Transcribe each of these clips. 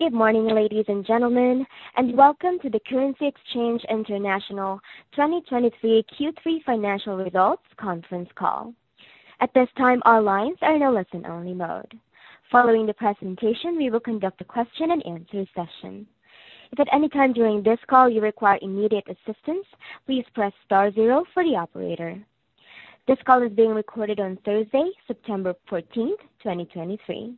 Good morning, ladies and gentlemen, and welcome to the Currency Exchange International 2023 Q3 financial results conference call. At this time, our lines are in a listen-only mode. Following the presentation, we will conduct a question-and-answer session. If at any time during this call you require immediate assistance, please press star zero for the operator. This call is being recorded on Thursday, September 14th, 2023.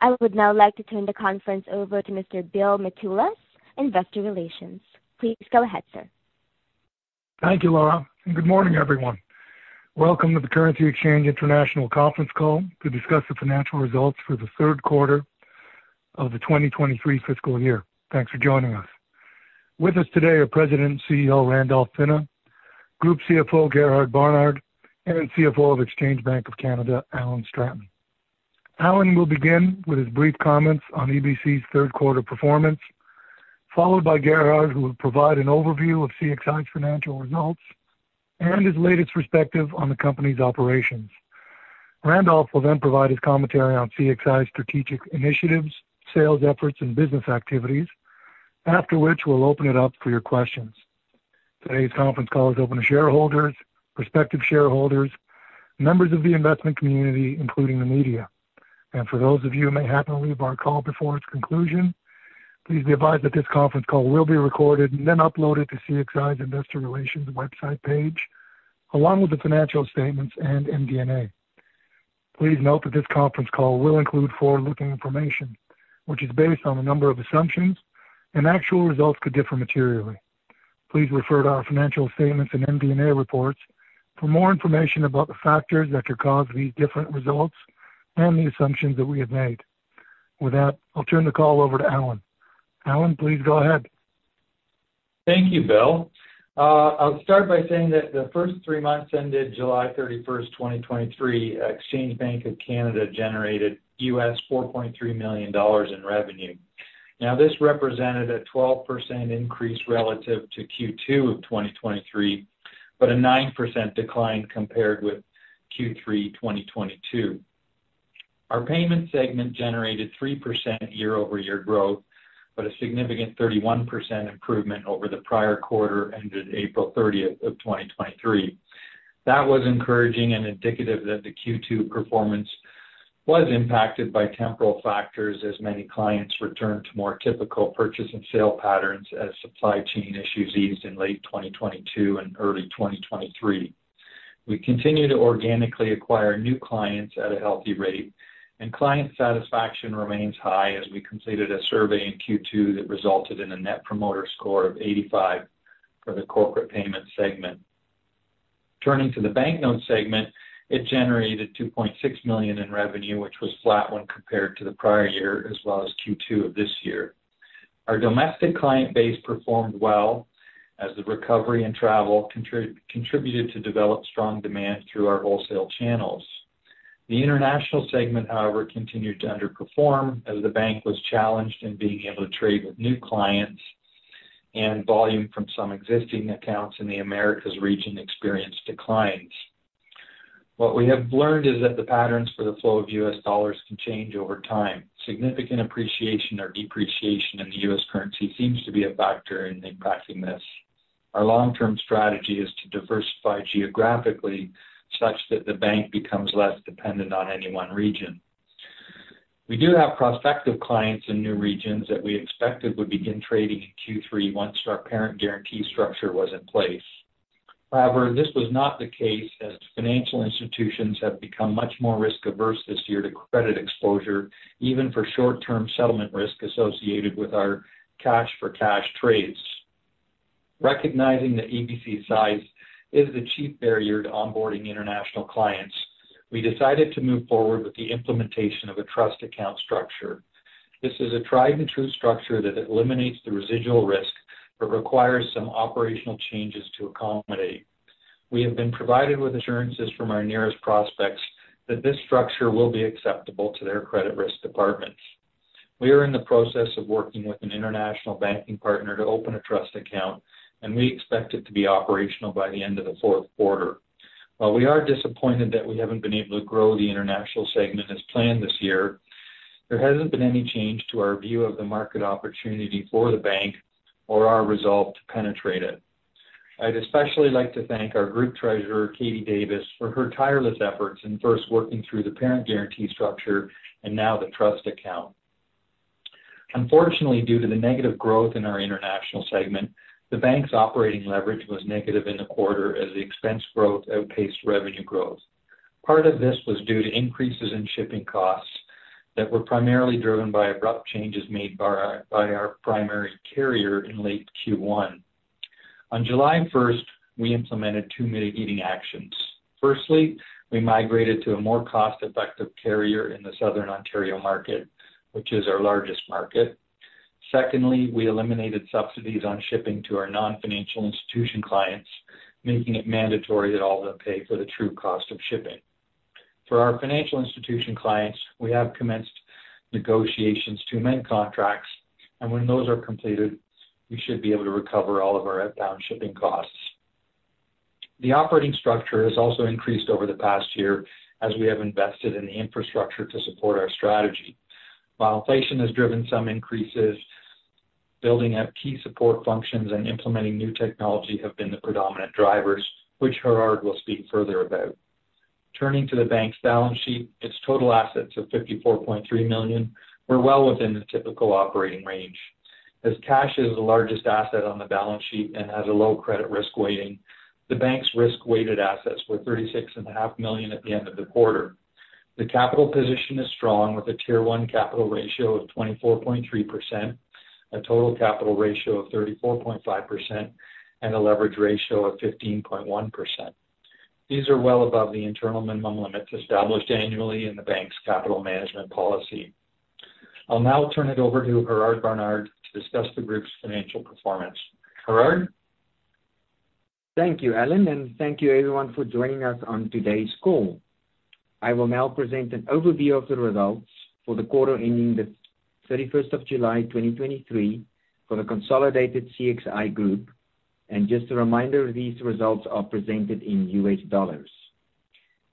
I would now like to turn the conference over to Mr. Bill Mitoulas, Investor Relations. Please go ahead, sir. Thank you, Laura, and good morning, everyone. Welcome to the Currency Exchange International conference call to discuss the financial results for the third quarter of the 2023 fiscal year. Thanks for joining us. With us today are President and CEO Randolph Pinna, Group CFO Gerhard Barnard, and CFO of Exchange Bank of Canada Alan Stratton. Alan will begin with his brief comments on EBC's third quarter performance, followed by Gerhard, who will provide an overview of CXI's financial results and his latest perspective on the company's operations. Randolph will then provide his commentary on CXI's strategic initiatives, sales efforts, and business activities, after which we'll open it up for your questions. Today's conference call is open to shareholders, prospective shareholders, members of the investment community, including the media. For those of you who may happen to leave our call before its conclusion, please be advised that this conference call will be recorded and then uploaded to CXI's Investor Relations website page, along with the financial statements and MD&A. Please note that this conference call will include forward-looking information, which is based on a number of assumptions, and actual results could differ materially. Please refer to our financial statements and MD&A reports for more information about the factors that could cause these different results and the assumptions that we have made. With that, I'll turn the call over to Alan. Alan, please go ahead. Thank you, Bill. I'll start by saying that the first three months ended July 31st, 2023, Exchange Bank of Canada generated $4.3 million in revenue. Now, this represented a 12% increase relative to Q2 of 2023, but a 9% decline compared with Q3 2022. Our payment segment generated 3% year-over-year growth, but a significant 31% improvement over the prior quarter, ended April 30th, 2023. That was encouraging and indicative that the Q2 performance was impacted by temporal factors as many clients returned to more typical purchase and sale patterns as supply chain issues eased in late 2022 and early 2023. We continue to organically acquire new clients at a healthy rate, and client satisfaction remains high as we completed a survey in Q2 that resulted in a Net Promoter Score of 85 for the corporate payment segment. Turning to the banknote segment, it generated $2.6 million in revenue, which was flat when compared to the prior year as well as Q2 of this year. Our domestic client base performed well as the recovery in travel contributed to develop strong demand through our wholesale channels. The international segment, however, continued to underperform as the bank was challenged in being able to trade with new clients, and volume from some existing accounts in the Americas region experienced declines. What we have learned is that the patterns for the flow of U.S. dollars can change over time. Significant appreciation or depreciation in the U.S. currency seems to be a factor in impacting this. Our long-term strategy is to diversify geographically such that the bank becomes less dependent on any one region. We do have prospective clients in new regions that we expected would begin trading in Q3 once our parent guarantee structure was in place. However, this was not the case, as financial institutions have become much more risk-averse this year to credit exposure, even for short-term settlement risk associated with our cash-for-cash trades. Recognizing that EBC's size is the chief barrier to onboarding international clients, we decided to move forward with the implementation of a trust account structure. This is a tried-and-true structure that eliminates the residual risk but requires some operational changes to accommodate. We have been provided with assurances from our nearest prospects that this structure will be acceptable to their credit risk departments. We are in the process of working with an international banking partner to open a trust account, and we expect it to be operational by the end of the fourth quarter. While we are disappointed that we haven't been able to grow the international segment as planned this year, there hasn't been any change to our view of the market opportunity for the bank or our resolve to penetrate it. I'd especially like to thank our group treasurer, Katie Davis, for her tireless efforts in first working through the parent guarantee structure and now the trust account. Unfortunately, due to the negative growth in our international segment, the bank's operating leverage was negative in the quarter as the expense growth outpaced revenue growth. Part of this was due to increases in shipping costs that were primarily driven by abrupt changes made by our primary carrier in late Q1. On July 1st, we implemented two mitigating actions. Firstly, we migrated to a more cost-effective carrier in the Southern Ontario market, which is our largest market. Secondly, we eliminated subsidies on shipping to our non-financial institution clients, making it mandatory that all of them pay for the true cost of shipping. For our financial institution clients, we have commenced negotiations to amend contracts, and when those are completed, we should be able to recover all of our outbound shipping costs. The operating structure has also increased over the past year as we have invested in the infrastructure to support our strategy. While inflation has driven some increases, building out key support functions and implementing new technology have been the predominant drivers, which Gerhard will speak further about. Turning to the bank's balance sheet, its total assets of $54.3 million were well within the typical operating range. As cash is the largest asset on the balance sheet and has a low credit risk weighting, the bank's risk-weighted assets were $36.5 million at the end of the quarter. The capital position is strong, with a Tier 1 capital ratio of 24.3%, a total capital ratio of 34.5%, and a leverage ratio of 15.1%. These are well above the internal minimum limits established annually in the bank's capital management policy. I'll now turn it over to Gerhard Barnard to discuss the group's financial performance. Gerhard? Thank you, Alan, and thank you everyone for joining us on today's call. I will now present an overview of the results for the quarter ending the July 31st, 2023, for the consolidated CXI group. Just a reminder, these results are presented in U.S. dollars.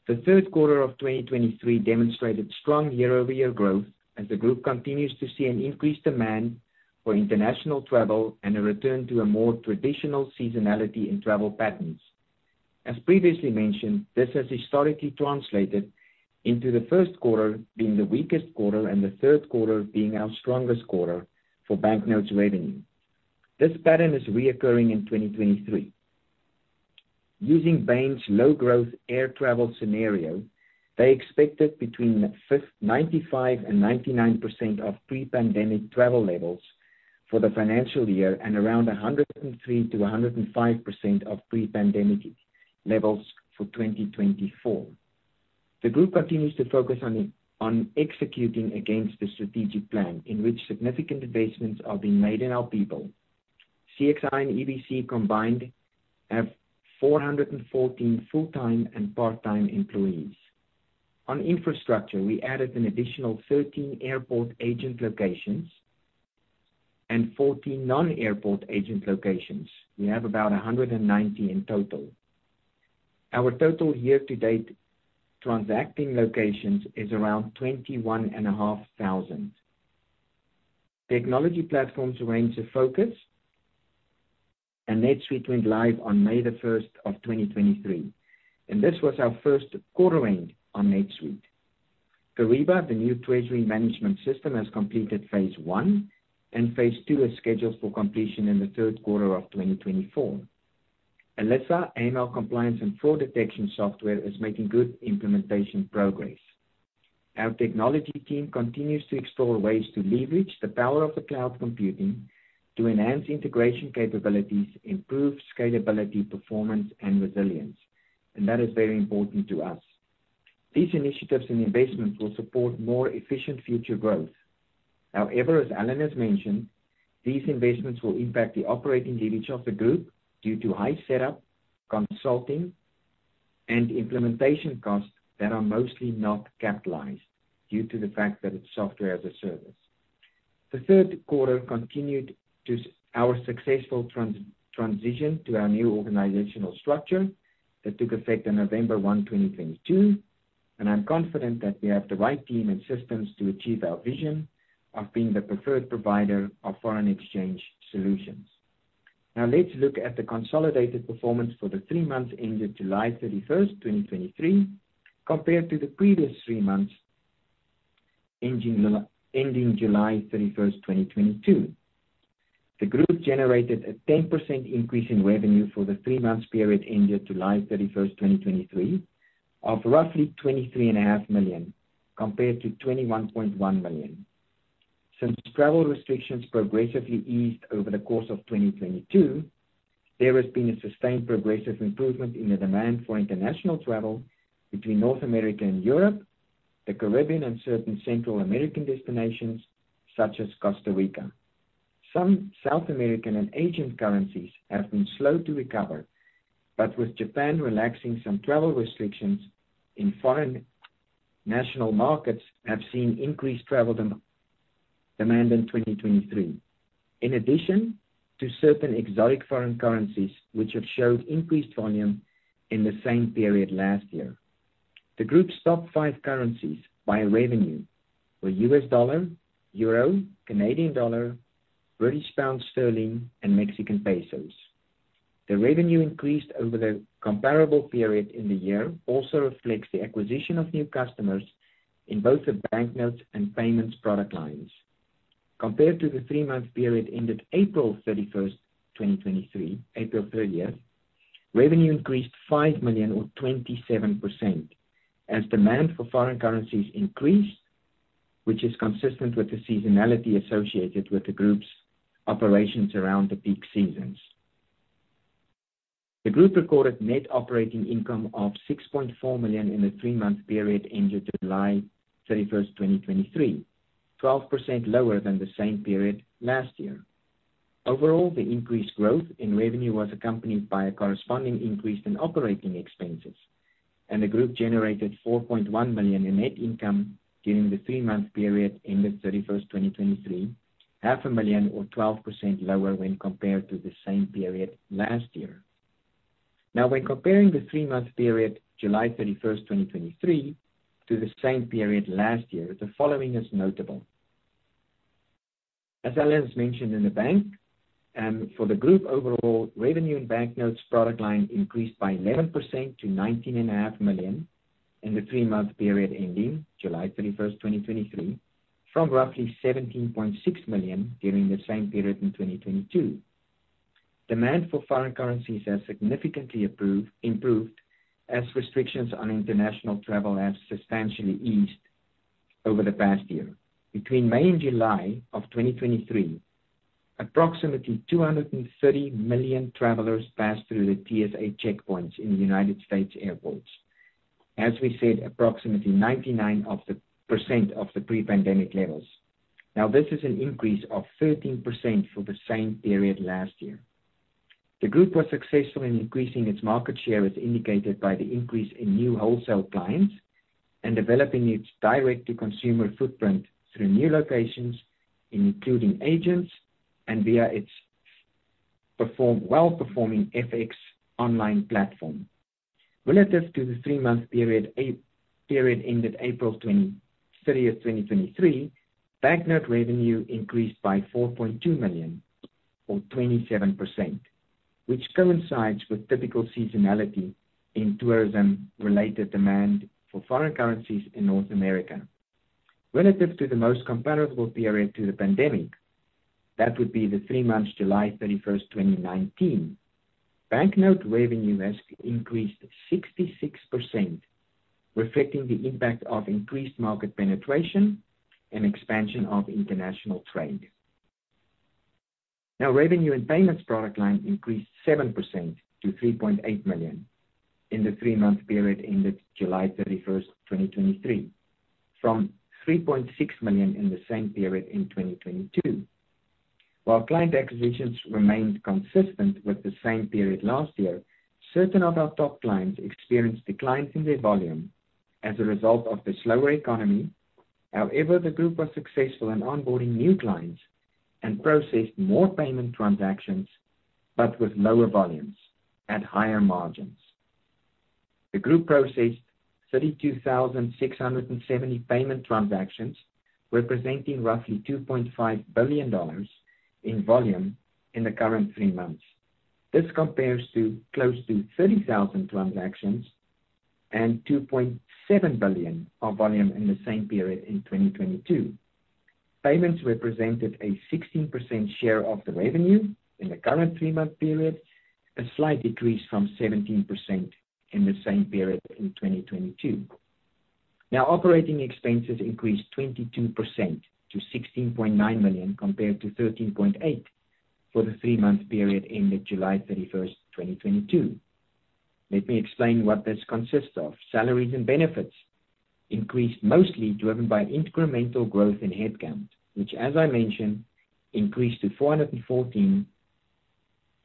The third quarter of 2023 demonstrated strong year-over-year growth, as the group continues to see an increased demand for international travel and a return to a more traditional seasonality in travel patterns. As previously mentioned, this has historically translated into the first quarter being the weakest quarter and the third quarter being our strongest quarter for banknotes revenue. This pattern is recurring in 2023. Using Bain's low growth air travel scenario, they expected between 95% and 99% of pre-pandemic travel levels for the financial year, and around 103%-105% of pre-pandemic levels for 2024. The group continues to focus on executing against the strategic plan, in which significant investments are being made in our people. CXI and EBC combined have 414 full-time and part-time employees. On infrastructure, we added an additional 13 airport agent locations and 14 non-airport agent locations. We have about 190 in total. Our total year-to-date transacting locations is around 21,500. Technology platforms remains a focus, and NetSuite went live on May 1, 2023, and this was our first quarter end on NetSuite. Kyriba, the new treasury management system, has completed phase one, and phase two is scheduled for completion in the third quarter of 2024. Alessa, AML compliance and fraud detection software, is making good implementation progress. Our technology team continues to explore ways to leverage the power of the cloud computing to enhance integration capabilities, improve scalability, performance, and resilience, and that is very important to us. These initiatives and investments will support more efficient future growth. However, as Alan has mentioned, these investments will impact the operating leverage of the group due to high setup, consulting, and implementation costs that are mostly not capitalized due to the fact that it's software as a service. The third quarter continued to see our successful transition to our new organizational structure that took effect on November 1, 2022, and I'm confident that we have the right team and systems to achieve our vision of being the preferred provider of foreign exchange solutions. Now, let's look at the consolidated performance for the three months ended July 31st, 2023, compared to the previous three months ending July 31st, 2022. The group generated a 10% increase in revenue for the three-month period ended July 31st, 2023, of roughly $23.5 million, compared to $21.1 million. Since travel restrictions progressively eased over the course of 2022, there has been a sustained progressive improvement in the demand for international travel between North America and Europe, the Caribbean, and certain Central American destinations, such as Costa Rica. Some South American and Asian currencies have been slow to recover, but with Japan relaxing some travel restrictions in foreign national markets have seen increased travel demand in 2023. In addition to certain exotic foreign currencies, which have showed increased volume in the same period last year. The group's top five currencies by revenue were U.S. dollar, euro, Canadian dollar, British pound sterling, and Mexican pesos. The revenue increased over the comparable period in the year also reflects the acquisition of new customers in both the banknotes and payments product lines. Compared to the three-month period ended April 31st, 2023, April 30th, revenue increased $5 million or 27%, as demand for foreign currencies increased, which is consistent with the seasonality associated with the group's operations around the peak seasons. The group recorded net operating income of $6.4 million in the three-month period ended July 31st, 2023, 12% lower than the same period last year. Overall, the increased growth in revenue was accompanied by a corresponding increase in operating expenses, and the group generated $4.1 million in net income during the three-month period ended July 31st, 2023, $0.5 million, or 12% lower when compared to the same period last year. Now, when comparing the three-month period July 31st, 2023, to the same period last year, the following is notable: As Alan has mentioned in the bank, for the group overall, revenue and banknotes product line increased by 11% to $19.5 million in the three-month period ending July 31st, 2023, from roughly $17.6 million during the same period in 2022. Demand for foreign currencies has significantly improved, as restrictions on international travel have substantially eased over the past year. Between May and July of 2023, approximately 230 million travelers passed through the TSA checkpoints in the United States airports. As we said, approximately 99% of the pre-pandemic levels. Now, this is an increase of 13% for the same period last year. The group was successful in increasing its market share, as indicated by the increase in new wholesale clients and developing its direct-to-consumer footprint through new locations, including agents and via its well-performing FX online platform. Relative to the three-month period ended April 30, 2023, banknote revenue increased by $4.2 million, or 27%, which coincides with typical seasonality in tourism-related demand for foreign currencies in North America. Relative to the most comparable period to the pandemic, that would be the three months, July 31st, 2019, banknote revenue has increased 66%, reflecting the impact of increased market penetration and expansion of international trade. Now, revenue and payments product line increased 7% to $3.8 million in the three-month period ended July 31st, 2023, from $3.6 million in the same period in 2022. While client acquisitions remained consistent with the same period last year, certain of our top clients experienced declines in their volume as a result of the slower economy. However, the group was successful in onboarding new clients and processed more payment transactions, but with lower volumes at higher margins. The group processed 32,670 payment transactions, representing roughly $2.5 billion in volume in the current three months. This compares to close to 30,000 transactions and $2.7 billion of volume in the same period in 2022. Payments represented a 16% share of the revenue in the current three-month period, a slight decrease from 17% in the same period in 2022. Now, operating expenses increased 22% to $16.9 million, compared to $13.8 million for the three-month period ended July 31st, 2022. Let me explain what this consists of. Salaries and benefits increased, mostly driven by incremental growth in headcount, which, as I mentioned, increased to 414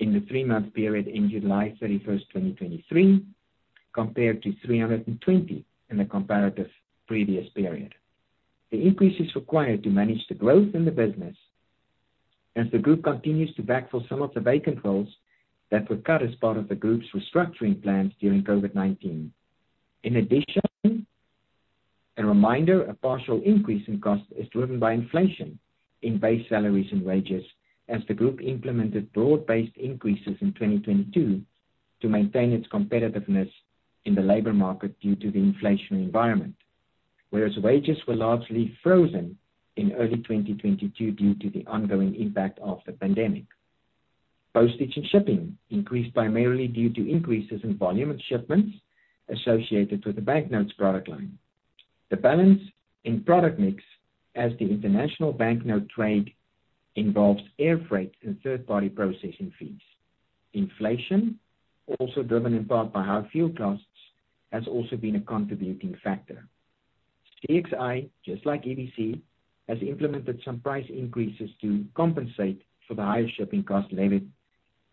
in the three-month period ended July 31st, 2023, compared to 320 in the comparative previous period. The increase is required to manage the growth in the business as the group continues to backfill some of the vacant roles that were cut as part of the group's restructuring plans during COVID-19. In addition, a reminder, a partial increase in cost is driven by inflation in base salaries and wages, as the group implemented broad-based increases in 2022 to maintain its competitiveness in the labor market due to the inflationary environment. Whereas wages were largely frozen in early 2022 due to the ongoing impact of the pandemic. Postage and shipping increased primarily due to increases in volume and shipments associated with the banknotes product line. The balance in product mix as the international banknote trade involves air freight and third-party processing fees. Inflation, also driven in part by high fuel costs, has also been a contributing factor. CXI, just like EBC, has implemented some price increases to compensate for the higher shipping costs levied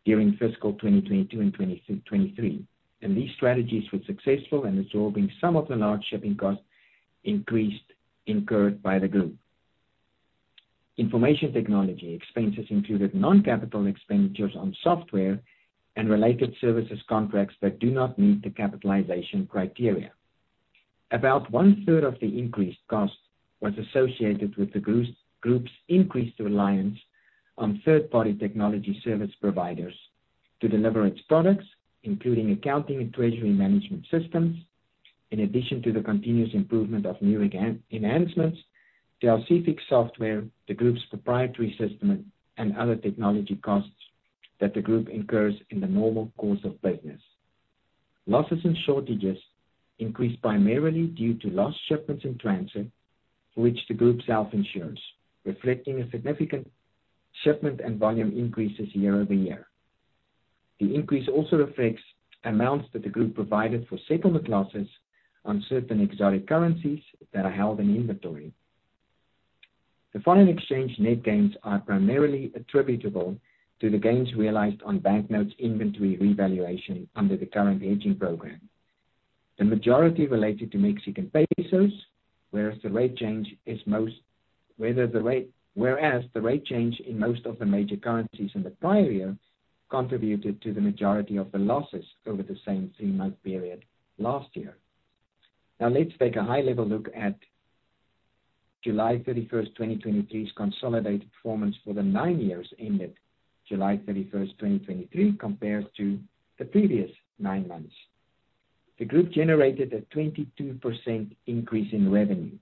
during fiscal 2022 and 2023, and these strategies were successful in absorbing some of the large shipping costs incurred by the group. Information technology expenses included non-capital expenditures on software and related services contracts that do not meet the capitalization criteria. About one-third of the increased cost was associated with the group's increased reliance on third-party technology service providers to deliver its products, including accounting and treasury management systems, in addition to the continuous improvement of new enhancements to our CEIFX software, the group's proprietary system, and other technology costs that the group incurs in the normal course of business. Losses and shortages increased primarily due to lost shipments in transit, for which the group self-insures, reflecting a significant shipment and volume increases year-over-year. The increase also reflects amounts that the group provided for settlement losses on certain exotic currencies that are held in inventory. The foreign exchange net gains are primarily attributable to the gains realized on banknotes inventory revaluation under the current aging program. The majority related to Mexican pesos, whereas the rate change in most of the major currencies in the prior year contributed to the majority of the losses over the same three-month period last year. Now, let's take a high-level look at July 31st, 2023's consolidated performance for the nine years ended July 31st, 2023, compared to the previous nine months. The group generated a 22% increase in revenue,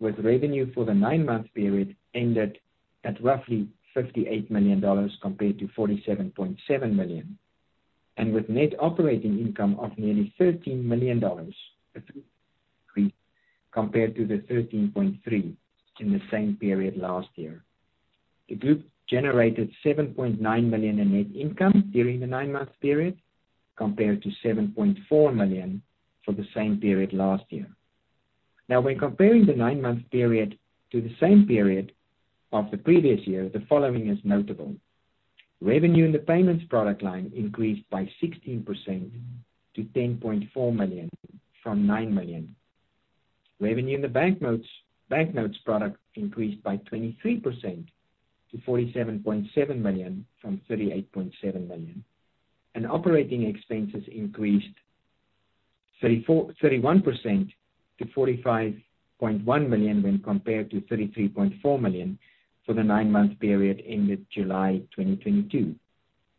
with revenue for the nine-month period ended at roughly $58 million, compared to $47.7 million, and with net operating income of nearly $13 million, compared to the $13.3 million in the same period last year. The group generated $7.9 million in net income during the nine-month period, compared to $7.4 million for the same period last year. Now, when comparing the nine-month period to the same period of the previous year, the following is notable: Revenue in the payments product line increased by 16% to $10.4 million from $9 million. Revenue in the banknotes, banknotes product increased by 23% to $47.7 million from $38.7 million. Operating expenses increased 31% to $45.1 million when compared to $33.4 million for the nine-month period ended July 2022,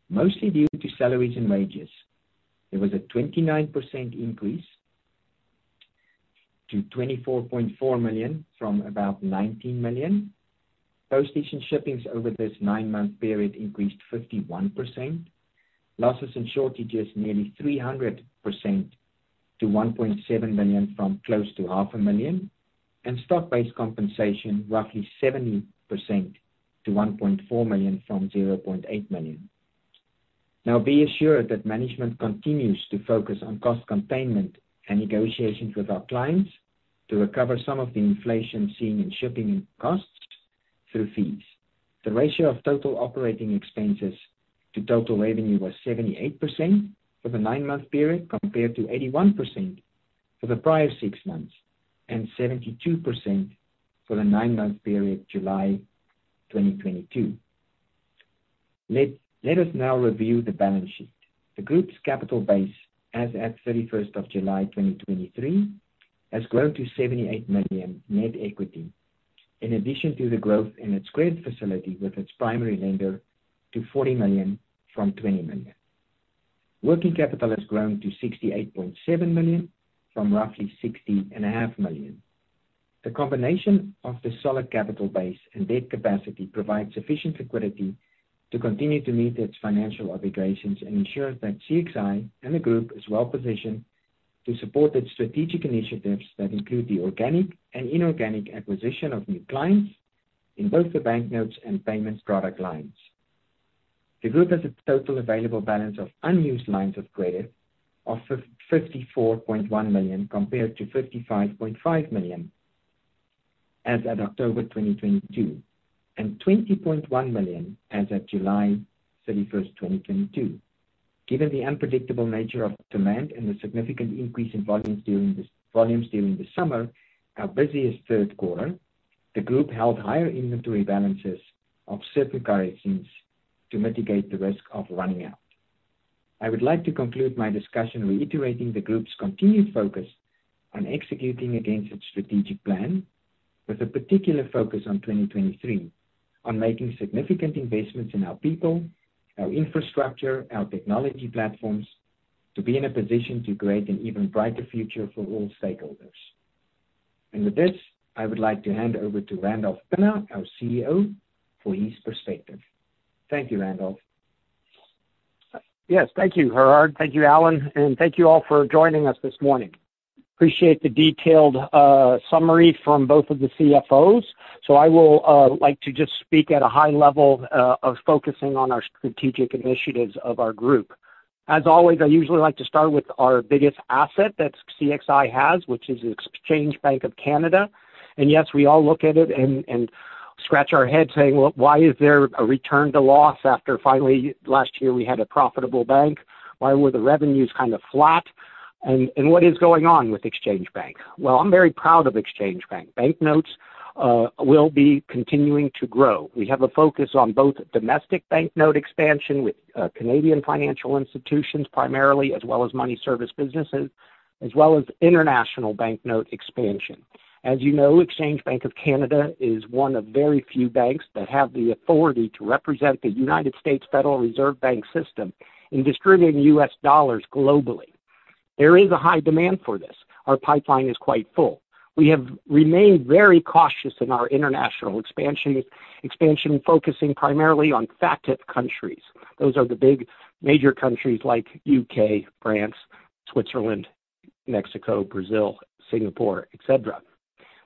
mostly due to salaries and wages. There was a 29% increase to $24.4 million from about $19 million. Postage and shippings over this nine-month period increased 51%. Losses and shortages, nearly 300% to $1.7 million from close to $0.5 million. Stock-based compensation, roughly 70% to $1.4 million from $0.8 million. Now, be assured that management continues to focus on cost containment and negotiations with our clients to recover some of the inflation seen in shipping costs through fees. The ratio of total operating expenses to total revenue was 78% for the nine-month period, compared to 81% for the prior six months, and 72% for the nine-month period, July 2022. Let us now review the balance sheet. The group's capital base, as at July 31st, 2023, has grown to $78 million net equity, in addition to the growth in its credit facility, with its primary lender to $40 million from $20 million. Working capital has grown to $68.7 million from roughly $60.5 million. The combination of the solid capital base and debt capacity provides sufficient liquidity to continue to meet its financial obligations and ensures that CXI and the group is well-positioned to support its strategic initiatives that include the organic and inorganic acquisition of new clients in both the banknotes and payments product lines. The group has a total available balance of unused lines of credit of $54.1 million, compared to $55.5 million as at October 2022, and $20.1 million as at July 31st, 2022. Given the unpredictable nature of demand and the significant increase in volumes during volumes during the summer, our busiest third quarter, the group held higher inventory balances of certain currencies to mitigate the risk of running out. I would like to conclude my discussion reiterating the group's continued focus on executing against its strategic plan, with a particular focus on 2023, on making significant investments in our people, our infrastructure, our technology platforms, to be in a position to create an even brighter future for all stakeholders. And with this, I would like to hand over to Randolph Pinna, our CEO, for his perspective. Thank you, Randolph. Yes, thank you, Gerhard. Thank you, Alan, and thank you all for joining us this morning. Appreciate the detailed summary from both of the CFOs. So I will like to just speak at a high level of focusing on our strategic initiatives of our group. As always, I usually like to start with our biggest asset that CXI has, which is Exchange Bank of Canada. And yes, we all look at it and scratch our heads saying: Well, why is there a return to loss after finally last year we had a profitable bank? Why were the revenues kind of flat? And what is going on with Exchange Bank? Well, I'm very proud of Exchange Bank. Banknotes will be continuing to grow. We have a focus on both domestic banknote expansion with Canadian financial institutions, primarily, as well as money service businesses, as well as international banknote expansion. As you know, Exchange Bank of Canada is one of very few banks that have the authority to represent the United States Federal Reserve Bank system in distributing U.S. dollars globally. There is a high demand for this. Our pipeline is quite full. We have remained very cautious in our international expansion, focusing primarily on FATF countries. Those are the big major countries like U.K., France, Switzerland, Mexico, Brazil, Singapore, et cetera.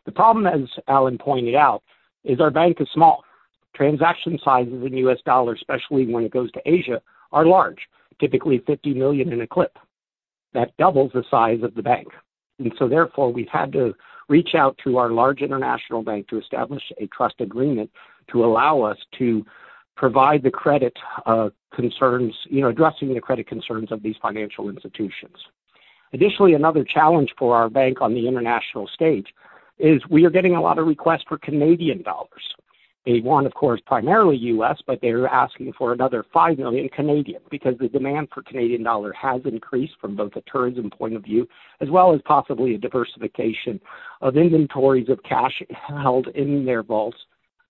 The problem, as Alan pointed out, is our bank is small. Transaction sizes in U.S. dollars, especially when it goes to Asia, are large, typically $50 million in a clip. That doubles the size of the bank. So therefore, we've had to reach out to our large international bank to establish a trust agreement to allow us to provide the credit concerns, you know, addressing the credit concerns of these financial institutions. Additionally, another challenge for our bank on the international stage is we are getting a lot of requests for Canadian dollars. They want, of course, primarily U.S., but they're asking for another 5 million Canadian dollars because the demand for Canadian dollar has increased from both a tourism point of view as well as possibly a diversification of inventories of cash held in their vaults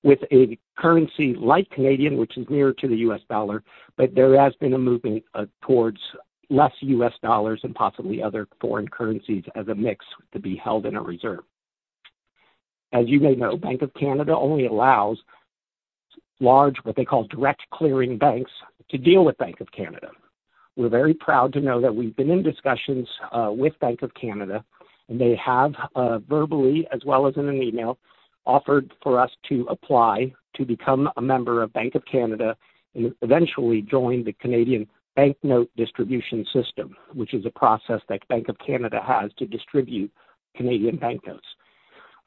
with a currency like Canadian, which is nearer to the U.S. dollar. But there has been a movement towards less U.S. dollars and possibly other foreign currencies as a mix to be held in a reserve. As you may know, Bank of Canada only allows large, what they call direct clearing banks, to deal with Bank of Canada. We're very proud to know that we've been in discussions with Bank of Canada, and they have verbally, as well as in an email, offered for us to apply to become a member of Bank of Canada and eventually join the Canadian Banknote Distribution System, which is a process that Bank of Canada has to distribute Canadian banknotes.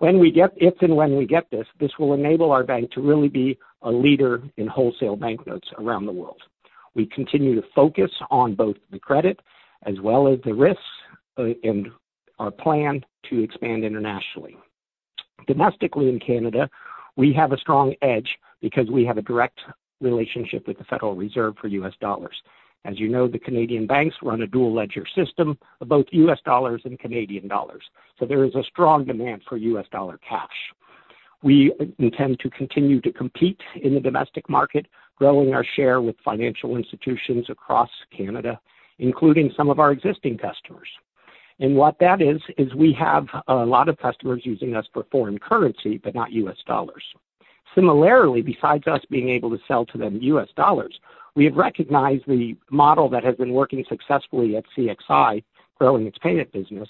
When we get, if and when we get this, this will enable our bank to really be a leader in wholesale banknotes around the world. We continue to focus on both the credit as well as the risks and our plan to expand internationally. Domestically in Canada, we have a strong edge because we have a direct relationship with the Federal Reserve for U.S. dollars. As you know, the Canadian banks run a dual ledger system of both U.S. dollars and Canadian dollars, so there is a strong demand for U.S. dollar cash. We intend to continue to compete in the domestic market, growing our share with financial institutions across Canada, including some of our existing customers. And what that is, is we have a lot of customers using us for foreign currency, but not U.S. dollars. Similarly, besides us being able to sell to them U.S. dollars, we have recognized the model that has been working successfully at CXI growing its payment business.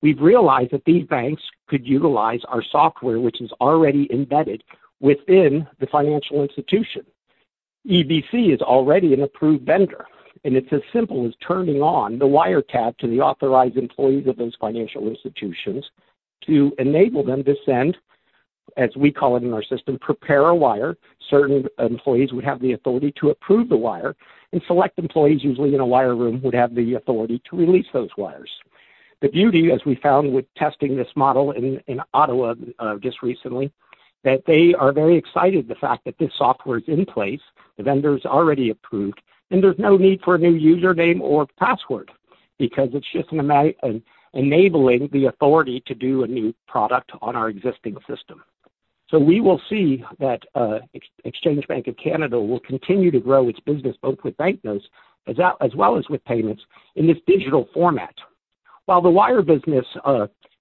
We've realized that these banks could utilize our software, which is already embedded within the financial institution. EBC is already an approved vendor, and it's as simple as turning on the wire tap to the authorized employees of those financial institutions to enable them to send, as we call it in our system, prepare a wire. Certain employees would have the authority to approve the wire, and select employees, usually in a wire room, would have the authority to release those wires. The beauty, as we found with testing this model in Ottawa just recently, that they are very excited the fact that this software is in place, the vendor's already approved, and there's no need for a new username or password because it's just a matter of enabling the authority to do a new product on our existing system. So we will see that, Exchange Bank of Canada will continue to grow its business, both with banknotes, as well, as well as with payments in this digital format. While the wire business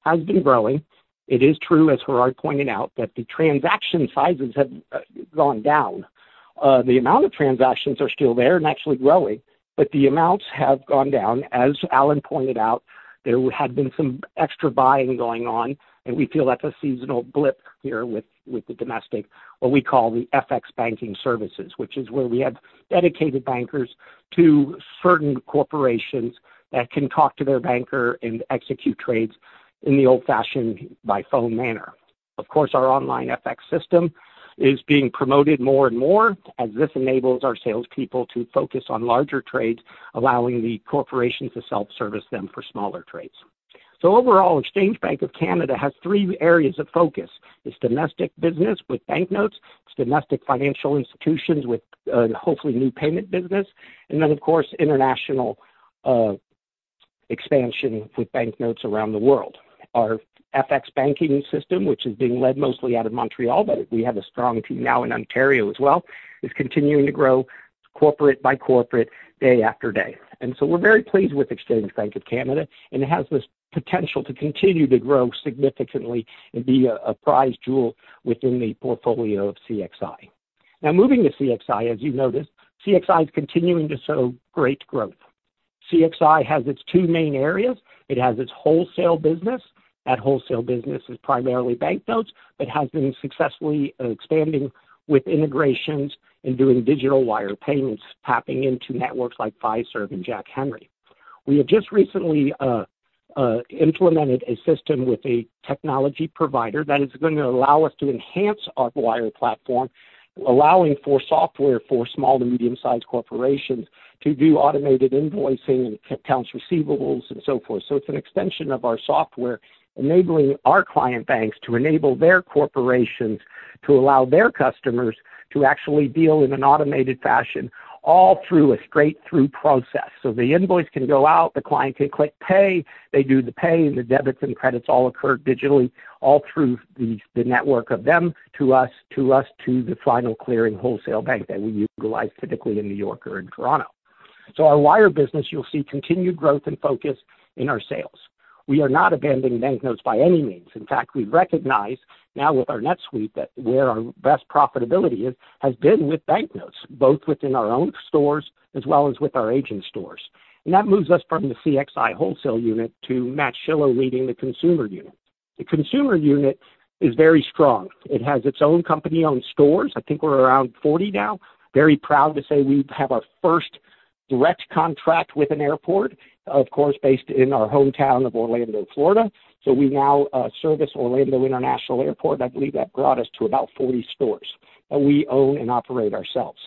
has been growing, it is true, as Gerhard pointed out, that the transaction sizes have gone down. The amount of transactions are still there and actually growing, but the amounts have gone down. As Alan pointed out, there had been some extra buying going on, and we feel that's a seasonal blip here with the domestic, what we call the FX banking services, which is where we have dedicated bankers to certain corporations that can talk to their banker and execute trades in the old-fashioned by phone manner. Of course, our online FX system is being promoted more and more, as this enables our salespeople to focus on larger trades, allowing the corporation to self-service them for smaller trades. So overall, Exchange Bank of Canada has three areas of focus. It's domestic business with banknotes, it's domestic financial institutions with, hopefully new payment business, and then, of course, international expansion with banknotes around the world. Our FX banking system, which is being led mostly out of Montreal, but we have a strong team now in Ontario as well, is continuing to grow corporate by corporate, day after day. And so we're very pleased with Exchange Bank of Canada, and it has this potential to continue to grow significantly and be a prized jewel within the portfolio of CXI. Now moving to CXI. As you noticed, CXI is continuing to show great growth. CXI has its two main areas. It has its wholesale business. That wholesale business is primarily banknotes, but has been successfully expanding with integrations and doing digital wire payments, tapping into networks like Fiserv and Jack Henry. We have just recently implemented a system with a technology provider that is going to allow us to enhance our wire platform, allowing for software for small to medium-sized corporations to do automated invoicing and accounts receivables and so forth. So it's an extension of our software, enabling our client banks to enable their corporations, to allow their customers to actually deal in an automated fashion, all through a straight-through process. So the invoice can go out, the client can click pay, they do the pay, and the debits and credits all occur digitally, all through the, the network of them to us, to us, to the final clearing wholesale bank that we utilize, typically in New York or in Toronto. So our wire business, you'll see continued growth and focus in our sales. We are not abandoning banknotes by any means. In fact, we recognize now with our NetSuite, that where our best profitability is, has been with banknotes, both within our own stores as well as with our agent stores. And that moves us from the CXI wholesale unit to Matt Schillo leading the consumer unit. The consumer unit is very strong. It has its own company-owned stores. I think we're around 40 now. Very proud to say we have our first direct contract with an airport, of course, based in our hometown of Orlando, Florida. So we now service Orlando International Airport. I believe that brought us to about 40 stores that we own and operate ourselves.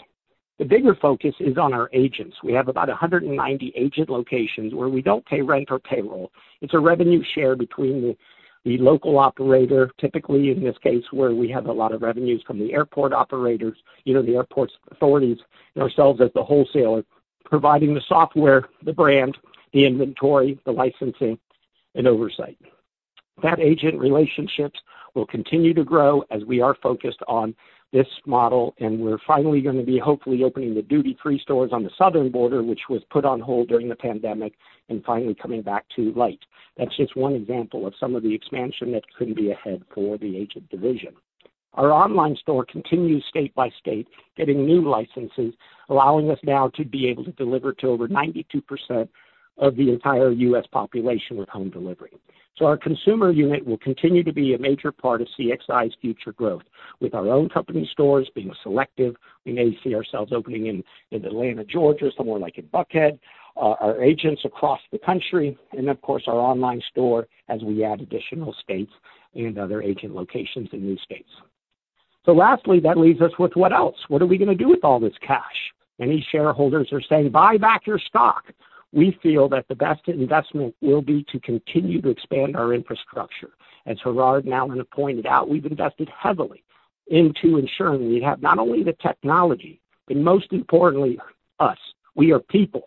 The bigger focus is on our agents. We have about 190 agent locations where we don't pay rent or payroll. It's a revenue share between the local operator, typically, in this case, where we have a lot of revenues from the airport operators, you know, the airport's authorities and ourselves as the wholesaler, providing the software, the brand, the inventory, the licensing and oversight. That agent relationships will continue to grow as we are focused on this model, and we're finally gonna be hopefully opening the duty-free stores on the southern border, which was put on hold during the pandemic and finally coming back to light. That's just one example of some of the expansion that could be ahead for the agent division. Our online store continues state by state, getting new licenses, allowing us now to be able to deliver to over 92% of the entire U.S. population with home delivery. So our consumer unit will continue to be a major part of CXI's future growth. With our own company stores being selective, we may see ourselves opening in Atlanta, Georgia, somewhere like in Buckhead, our agents across the country and, of course, our online store as we add additional states and other agent locations in new states. So lastly, that leaves us with what else? What are we gonna do with all this cash? Many shareholders are saying, "Buy back your stock." We feel that the best investment will be to continue to expand our infrastructure. As Gerhard now has pointed out, we've invested heavily into ensuring we have not only the technology, but most importantly, us. We are people,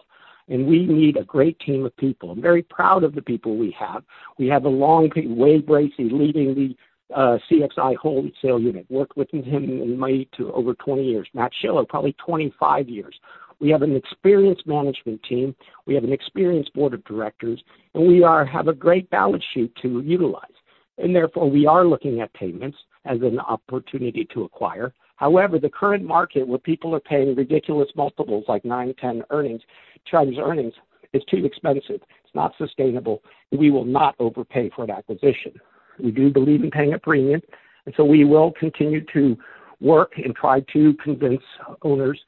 and we need a great team of people. I'm very proud of the people we have. We have a long team, Wade Bracy, leading the CXI wholesale unit. Worked with him in money to over 20 years. Matt Schillo, probably 25 years. We have an experienced management team, we have an experienced board of directors, and we are, we have a great balance sheet to utilize, and therefore, we are looking at payments as an opportunity to acquire. However, the current market, where people are paying ridiculous multiples like 9, 10 earnings, cash earnings, is too expensive. It's not sustainable. We will not overpay for an acquisition. We do believe in paying a premium, and so we will continue to work and try to convince owners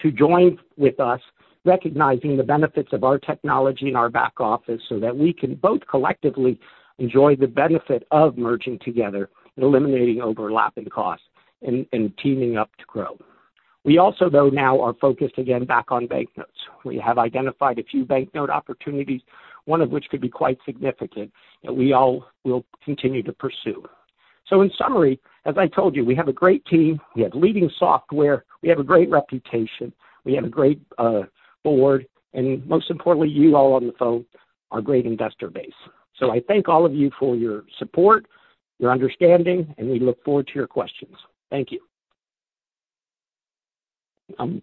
to join with us, recognizing the benefits of our technology and our back office, so that we can both collectively enjoy the benefit of merging together and eliminating overlapping costs and teaming up to grow. We also, though, now are focused again back on bank notes. We have identified a few bank note opportunities, one of which could be quite significant, that we all will continue to pursue. So in summary, as I told you, we have a great team, we have leading software, we have a great reputation, we have a great board, and most importantly, you all on the phone, our great investor base. So I thank all of you for your support, your understanding, and we look forward to your questions. Thank you. You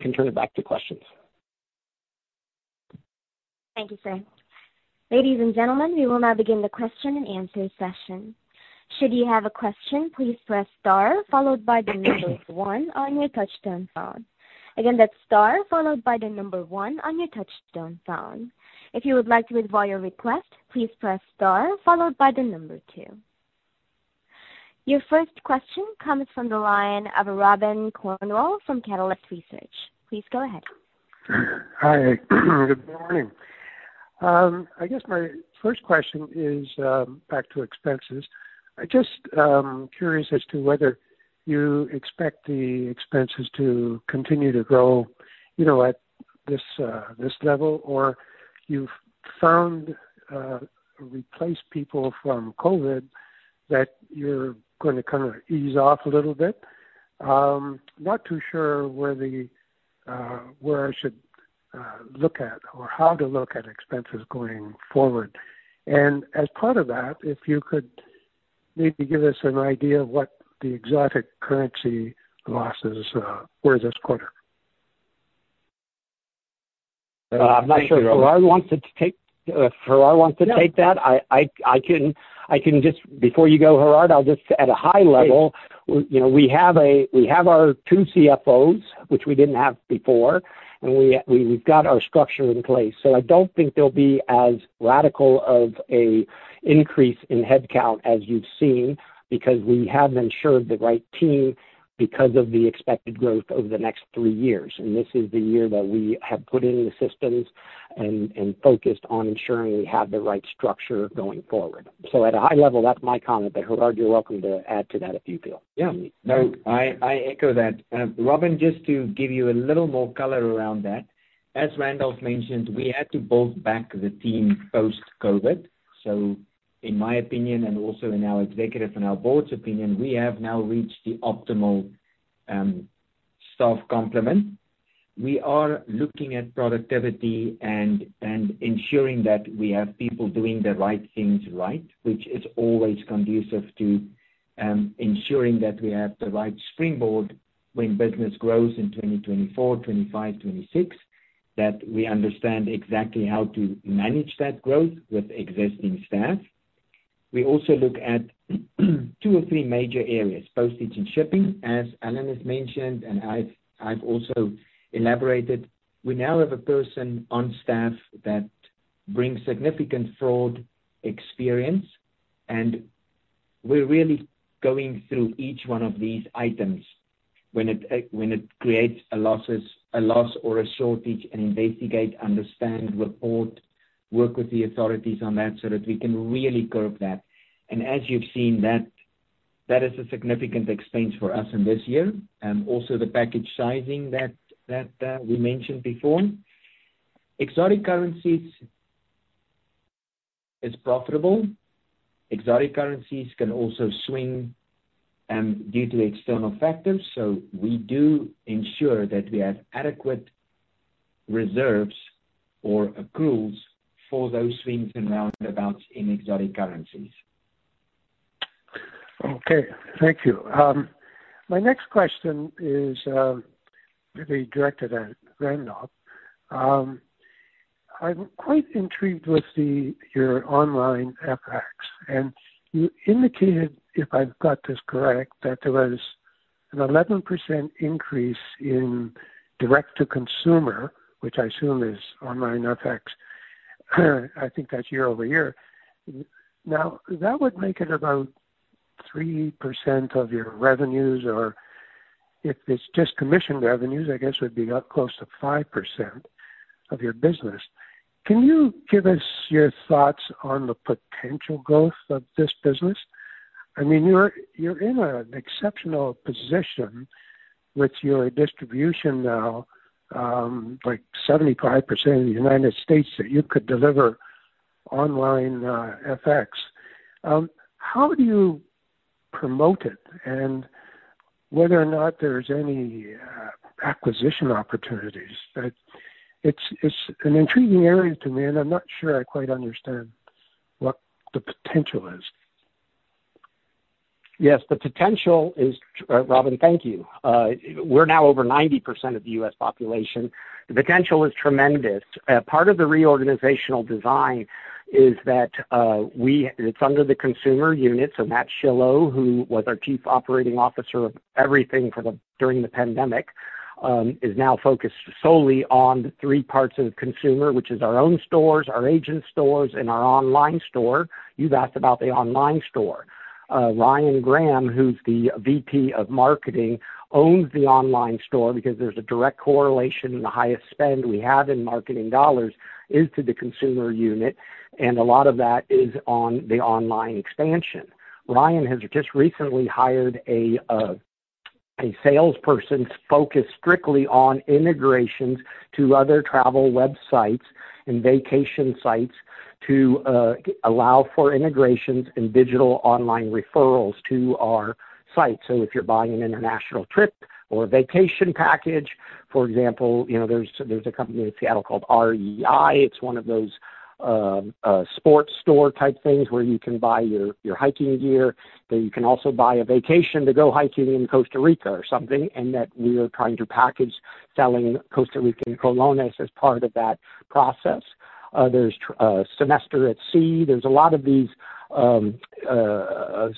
can turn it back to questions. Thank you, sir. Ladies and gentlemen, we will now begin the question-and-answer session. Should you have a question, please press star followed by the number one on your touchtone phone. Again, that's star followed by the number one on your touchtone phone. If you would like to withdraw your request, please press star followed by the number two. Your first question comes from the line of Robin Cornwell from Catalyst Research. Please go ahead. Hi, good morning. I guess my first question is back to expenses. I'm just curious as to whether you expect the expenses to continue to grow, you know, at this level, or you've found replace people from COVID, that you're going to kind of ease off a little bit? Not too sure where the where I should look at or how to look at expenses going forward. And as part of that, if you could maybe give us an idea of what the exotic currency losses were this quarter. I'm not sure if Gerhard wants to take if Gerhard wants to take that. I can just, before you go, Gerhard, I'll just at a high level, you know, we have a, we have our two CFOs, which we didn't have before, and we, we've got our structure in place. So I don't think there'll be as radical of a increase in headcount as you've seen, because we have ensured the right team because of the expected growth over the next three years. And this is the year that we have put in the systems and, and focused on ensuring we have the right structure going forward. So at a high level, that's my comment, but Gerhard, you're welcome to add to that if you feel. Yeah. No, I echo that. Robin, just to give you a little more color around that, as Randolph mentioned, we had to build back the team post-COVID. So in my opinion, and also in our executive and our board's opinion, we have now reached the optimal staff complement. We are looking at productivity and ensuring that we have people doing the right things right, which is always conducive to ensuring that we have the right springboard when business grows in 2024, 2025, 2026, that we understand exactly how to manage that growth with existing staff. We also look at two or three major areas, postage and shipping, as Alan has mentioned, and I've also elaborated. We now have a person on staff that brings significant fraud experience and we're really going through each one of these items when it creates a loss or a shortage, and investigate, understand, report, work with the authorities on that so that we can really curb that. And as you've seen, that is a significant expense for us in this year, and also the package sizing that we mentioned before. Exotic currencies is profitable. Exotic currencies can also swing due to external factors, so we do ensure that we have adequate reserves or accruals for those swings and roundabouts in exotic currencies. Okay, thank you. My next question is, maybe directed at Randolph. I'm quite intrigued with your online FX, and you indicated, if I've got this correct, that there was an 11% increase in direct-to-consumer, which I assume is online FX. I think that's year-over-year. Now, that would make it about 3% of your revenues, or if it's just commission revenues, I guess would be up close to 5% of your business. Can you give us your thoughts on the potential growth of this business? I mean, you're, you're in an exceptional position with your distribution now, like 75% of the United States, that you could deliver online FX. How do you promote it? And whether or not there's any acquisition opportunities. That it's an intriguing area to me, and I'm not sure I quite understand what the potential is. Yes, the potential is... Robin, thank you. We're now over 90% of the U.S. population. The potential is tremendous. Part of the reorganizational design is that it's under the consumer unit, so Matt Schillo, who was our Chief Operating Officer of everything during the pandemic, is now focused solely on the three parts of the consumer, which is our own stores, our agent stores, and our online store. You've asked about the online store. Ryan Graham, who's the VP of Marketing, owns the online store because there's a direct correlation and the highest spend we have in marketing dollars is to the consumer unit, and a lot of that is on the online expansion. Ryan has just recently hired a salesperson focused strictly on integrations to other travel websites and vacation sites to allow for integrations and digital online referrals to our site. So if you're buying an international trip or a vacation package, for example, you know, there's a company in Seattle called REI. It's one of those sports store type things where you can buy your hiking gear, but you can also buy a vacation to go hiking in Costa Rica or something, and that we are trying to package selling Costa Rican colones as part of that process. There's Semester at Sea. There's a lot of these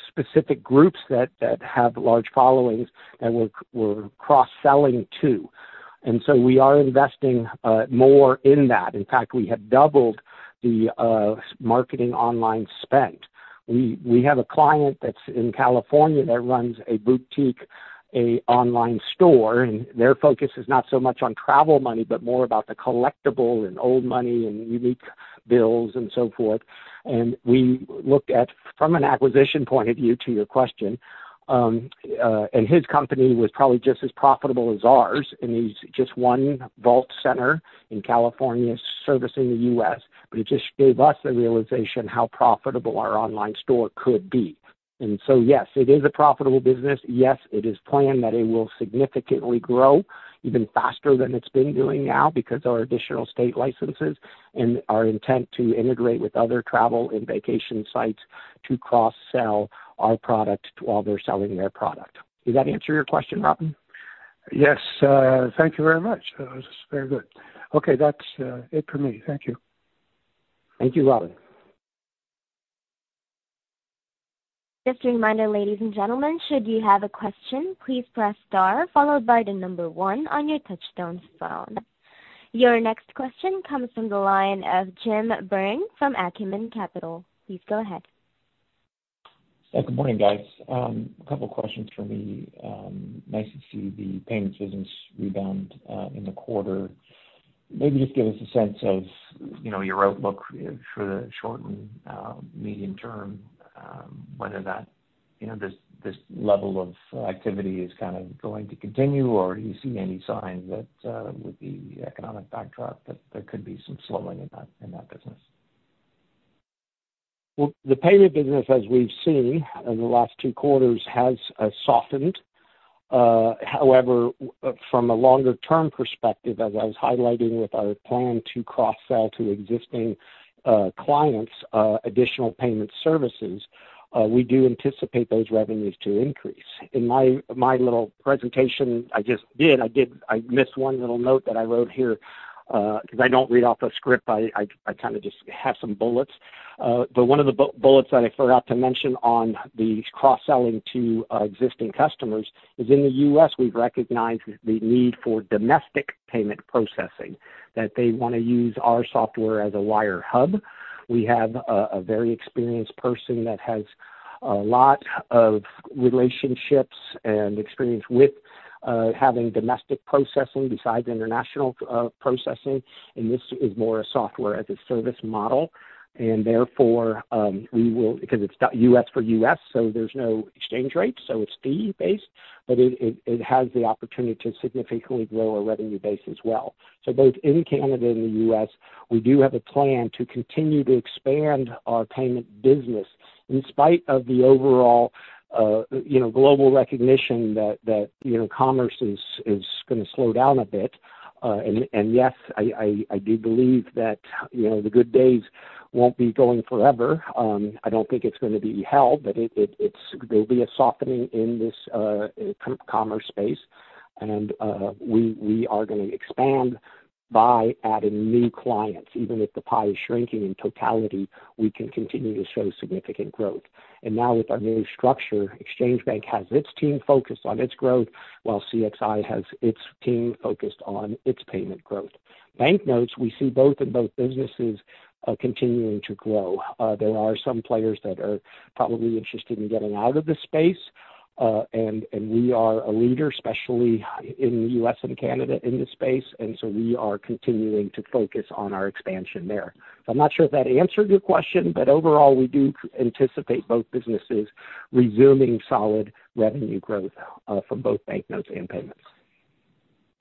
specific groups that have large followings that we're cross-selling to. And so we are investing more in that. In fact, we have doubled the marketing online spend. We have a client that's in California that runs a boutique, an online store, and their focus is not so much on travel money, but more about the collectible and old money and unique bills and so forth. And we looked at, from an acquisition point of view, to your question, and his company was probably just as profitable as ours, and he's just one vault center in California servicing the U.S., but it just gave us a realization how profitable our online store could be. And so, yes, it is a profitable business. Yes, it is planned that it will significantly grow even faster than it's been doing now, because our additional state licenses and our intent to integrate with other travel and vacation sites to cross-sell our product while they're selling their product. Does that answer your question, Robin? Yes, thank you very much. That was very good. Okay, that's it for me. Thank you. Thank you, Robin. Just a reminder, ladies and gentlemen, should you have a question, please press star followed by the number one on your touchtone phone. Your next question comes from the line of Jim Byrne from Acumen Capital. Please go ahead. Good morning, guys. A couple questions for me. Nice to see the payments business rebound in the quarter. Maybe just give us a sense of, you know, your outlook for the short and medium term, whether that, you know, this level of activity is kind of going to continue, or do you see any signs that with the economic backdrop, that there could be some slowing in that business? Well, the payment business, as we've seen in the last two quarters, has softened. However, from a longer-term perspective, as I was highlighting with our plan to cross-sell to existing clients additional payment services, we do anticipate those revenues to increase. In my little presentation, I missed one little note that I wrote here, because I don't read off a script. I kind of just have some bullets. But one of the bullets that I forgot to mention on the cross-selling to existing customers is, in the U.S., we've recognized the need for domestic payment processing, that they want to use our software as a wire hub. We have a very experienced person that has a lot of relationships and experience with having domestic processing besides international processing. This is more a software as a service model. Therefore, we will, because it's done U.S. for U.S., so there's no exchange rate, so it's fee-based, but it has the opportunity to significantly grow our revenue base as well. So both in Canada and the U.S., we do have a plan to continue to expand our payment business in spite of the overall, you know, global recognition that you know, commerce is gonna slow down a bit. And yes, I do believe that, you know, the good days won't be going forever. I don't think it's gonna be hell, but there'll be a softening in this commerce space, and we are gonna expand by adding new clients. Even if the pie is shrinking in totality, we can continue to show significant growth. Now with our new structure, Exchange Bank has its team focused on its growth, while CXI has its team focused on its payment growth. Bank notes, we see both of those businesses continuing to grow. There are some players that are probably interested in getting out of this space, and we are a leader, especially in the U.S. and Canada, in this space, and so we are continuing to focus on our expansion there. So I'm not sure if that answered your question, but overall, we do anticipate both businesses resuming solid revenue growth from both bank notes and payments.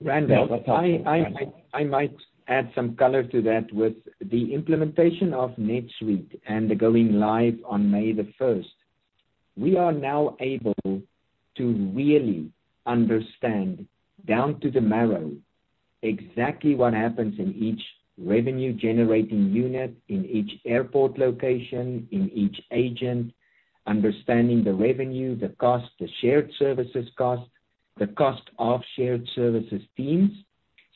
Randolph, I might add some color to that. With the implementation of NetSuite and the going live on May 1, we are now able to really understand, down to the marrow, exactly what happens in each revenue-generating unit, in each airport location, in each agent, understanding the revenue, the cost, the shared services cost, the cost of shared services teams.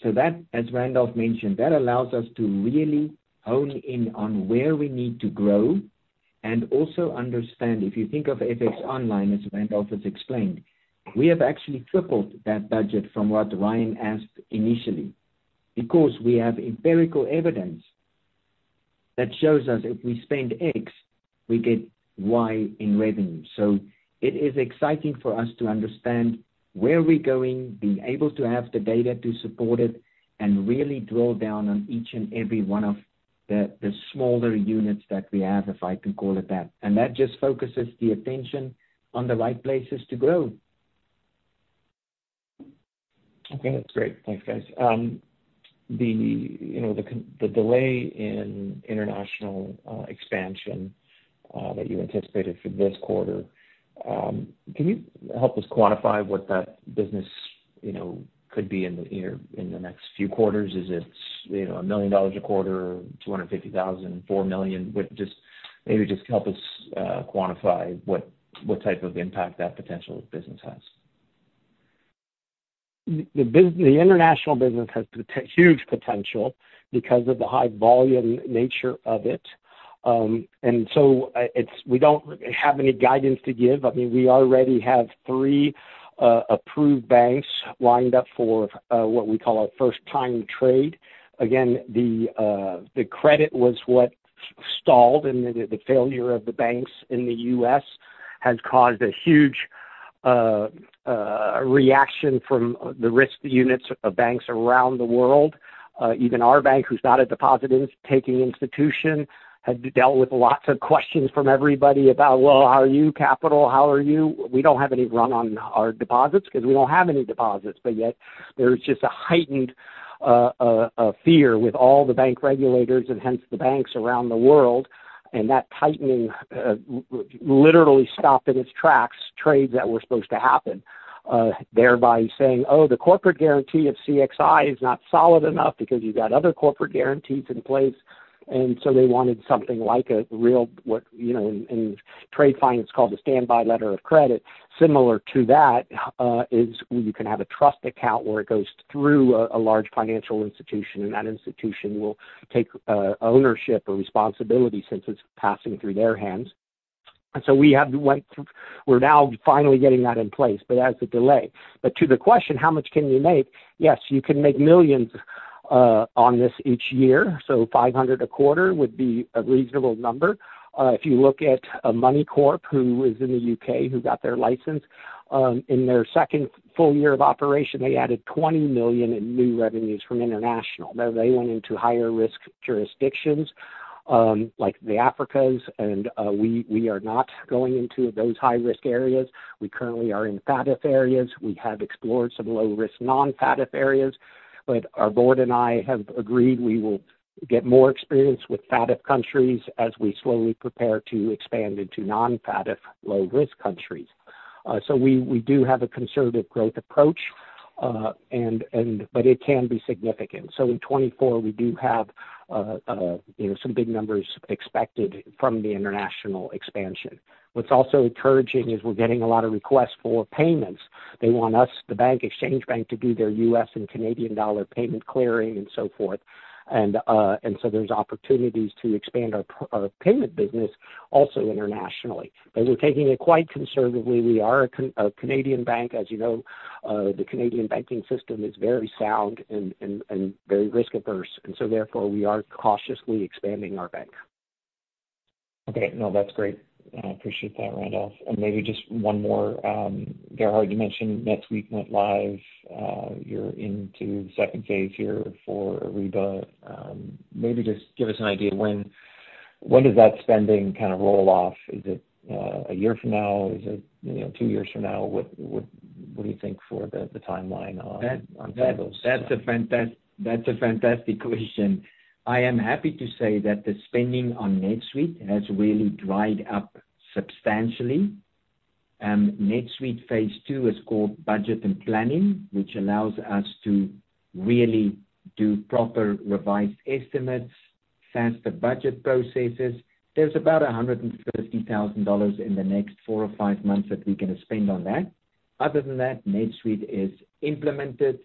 So that, as Randolph mentioned, that allows us to really hone in on where we need to grow and also understand, if you think of FX online as Randolph has explained, we have actually tripled that budget from what Ryan asked initially, because we have empirical evidence that shows us if we spend X, we get Y in revenue. So it is exciting for us to understand where we're going, being able to have the data to support it, and really drill down on each and every one of the smaller units that we have, if I can call it that. And that just focuses the attention on the right places to grow. Okay, that's great. Thanks, guys. The delay in international expansion that you anticipated for this quarter, can you help us quantify what that business, you know, could be in the next few quarters? Is it, you know, $1 million a quarter, $250,000, $4 million? But just maybe just help us quantify what type of impact that potential business has. The international business has huge potential because of the high volume nature of it. We don't have any guidance to give. I mean, we already have three approved banks lined up for what we call our first time trade. Again, the credit was what stalled, and the failure of the banks in the U.S. has caused a huge reaction from the risk units of banks around the world. Even our bank, who's not a deposit taking institution, had dealt with lots of questions from everybody about, "Well, how are you, Capital? How are you?" We don't have any run on our deposits because we don't have any deposits, but yet there's just a heightened a fear with all the bank regulators and hence the banks around the world. That tightening literally stopped in its tracks, trades that were supposed to happen, thereby saying, "Oh, the corporate guarantee of CXI is not solid enough because you've got other corporate guarantees in place." So they wanted something like a real, you know, in trade finance, called a standby letter of credit. Similar to that, is you can have a trust account where it goes through a large financial institution, and that institution will take ownership or responsibility since it's passing through their hands. So we have went through, we're now finally getting that in place, but as a delay. But to the question, how much can you make? Yes, you can make millions on this each year, so $500,000 a quarter would be a reasonable number. If you look at Moneycorp, who is in the U.K., who got their license in their second full year of operation, they added $20 million in new revenues from international. Now, they went into higher risk jurisdictions, like the Africas, and we are not going into those high-risk areas. We currently are in FATF areas. We have explored some low-risk, non-FATF areas, but our board and I have agreed we will get more experience with FATF countries as we slowly prepare to expand into non-FATF, low-risk countries. So we do have a conservative growth approach, and but it can be significant. So in 2024, we do have you know some big numbers expected from the international expansion. What's also encouraging is we're getting a lot of requests for payments. They want us, the bank, Exchange Bank, to do their U.S. and Canadian dollar payment clearing and so forth. And so there's opportunities to expand our payment business also internationally. But we're taking it quite conservatively. We are a Canadian bank, as you know. The Canadian banking system is very sound and very risk-averse, and so therefore, we are cautiously expanding our bank. Okay. No, that's great. I appreciate that, Randolph. And maybe just one more. Gerhard, you mentioned NetSuite went live. You're into the second phase here for Kyriba. Maybe just give us an idea, when does that spending kind of roll off? Is it a year from now? Is it, you know, two years from now? What do you think for the timeline on those? That's a fantastic question. I am happy to say that the spending on NetSuite has really dried up substantially. NetSuite phase II is called Budget and Planning, which allows us to really do proper revised estimates, faster budget processes. There's about $150,000 in the next four or five months that we're gonna spend on that. Other than that, NetSuite is implemented.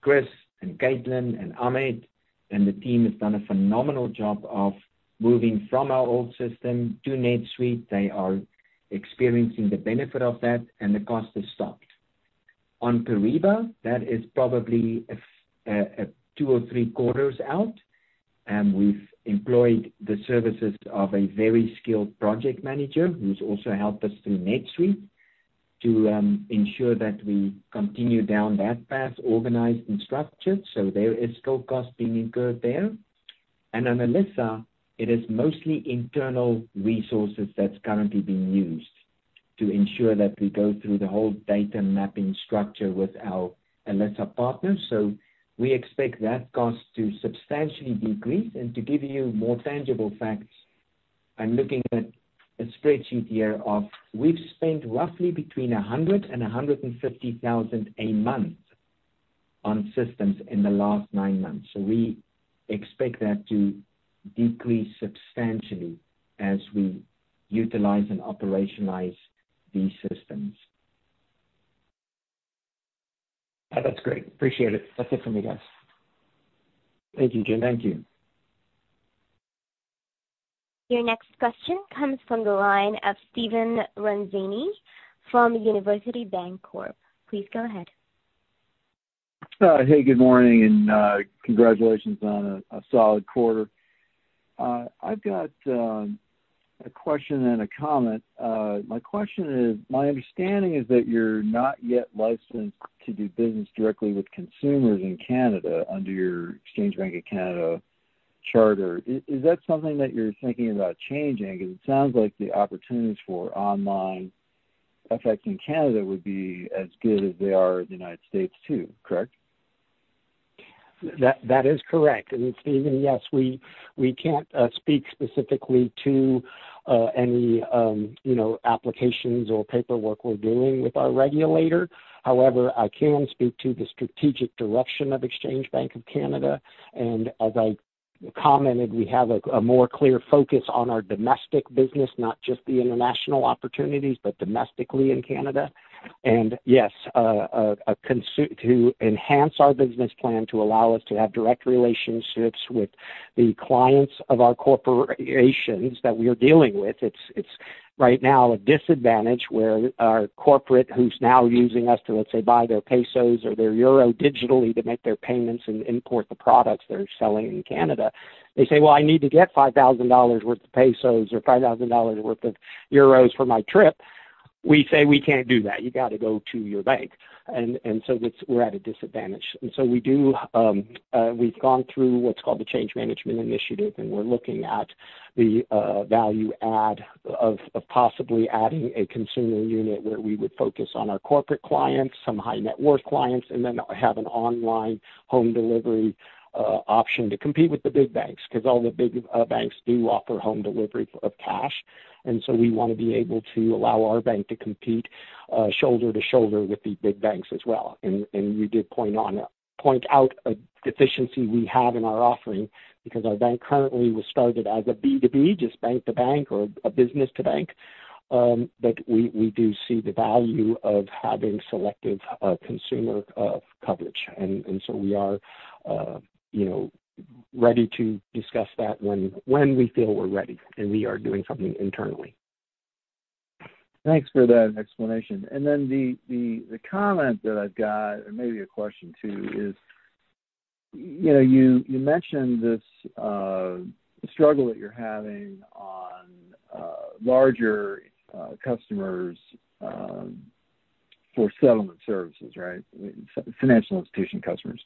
Chris and Caitlyn and Ahmed, and the team has done a phenomenal job of moving from our old system to NetSuite. They are experiencing the benefit of that, and the cost has stopped. On Kyriba, that is probably two or three quarters out, and we've employed the services of a very skilled project manager, who's also helped us through NetSuite, to ensure that we continue down that path, organized and structured. So there is still cost being incurred there. And on Alessa, it is mostly internal resources that's currently being used to ensure that we go through the whole data mapping structure with our Alessa partners. So we expect that cost to substantially decrease. And to give you more tangible facts, I'm looking at a spreadsheet here of we've spent roughly between $100,000 and $150,000 a month on systems in the last nine months. So we expect that to decrease substantially as we utilize and operationalize these systems. That's great. Appreciate it. That's it for me, guys. Thank you, Jim. Thank you. Your next question comes from the line of Stephen Ranzini from University Bancorp. Please go ahead. Hey, good morning, and congratulations on a solid quarter. I've got a question and a comment. My question is, my understanding is that you're not yet licensed to do business directly with consumers in Canada under your Exchange Bank of Canada charter. Is that something that you're thinking about changing? Because it sounds like the opportunities for online FX in Canada would be as good as they are in the United States, too. Correct? That is correct. And Stephen, yes, we can't speak specifically to any, you know, applications or paperwork we're doing with our regulator. However, I can speak to the strategic direction of Exchange Bank of Canada, and as I commented, we have a more clear focus on our domestic business, not just the international opportunities, but domestically in Canada. And yes, to enhance our business plan to allow us to have direct relationships with the clients of our corporations that we are dealing with. It's right now a disadvantage where our corporate, who's now using us to, let's say, buy their pesos or their euro digitally to make their payments and import the products they're selling in Canada. They say, "Well, I need to get $5,000 worth of pesos or $5,000 worth of euros for my trip." We say, "We can't do that. You gotta go to your bank." And so it's we're at a disadvantage. And so we do, we've gone through what's called the change management initiative, and we're looking at the value add of possibly adding a consumer unit where we would focus on our corporate clients, some high-net-worth clients, and then have an online home delivery option to compete with the big banks. Because all the big banks do offer home delivery of cash, and so we wanna be able to allow our bank to compete shoulder to shoulder with the big banks as well. You did point out a deficiency we have in our offering because our bank currently was started as a B2B, just bank to bank or a business to bank. But we do see the value of having selective consumer coverage. So we are, you know, ready to discuss that when we feel we're ready, and we are doing something internally. Thanks for that explanation. Then the comment that I've got, and maybe a question, too, is, you know, you mentioned this struggle that you're having on larger customers for settlement services, right? Financial institution customers,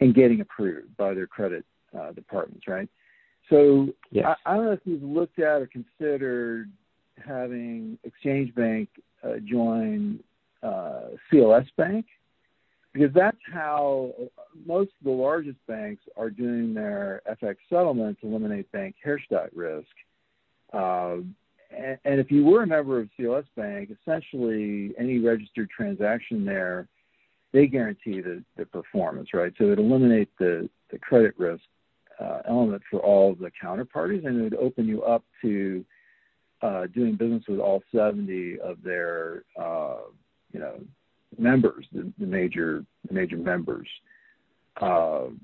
and getting approved by their credit departments, right? Yes. So I don't know if you've looked at or considered having Exchange Bank join CLS Bank, because that's how most of the largest banks are doing their FX settlement to eliminate Herstatt risk. And if you were a member of CLS Bank, essentially any registered transaction there, they guarantee the performance, right? So it eliminates the credit risk element for all the counterparties, and it would open you up to doing business with all 70 of their, you know, members, the major members. So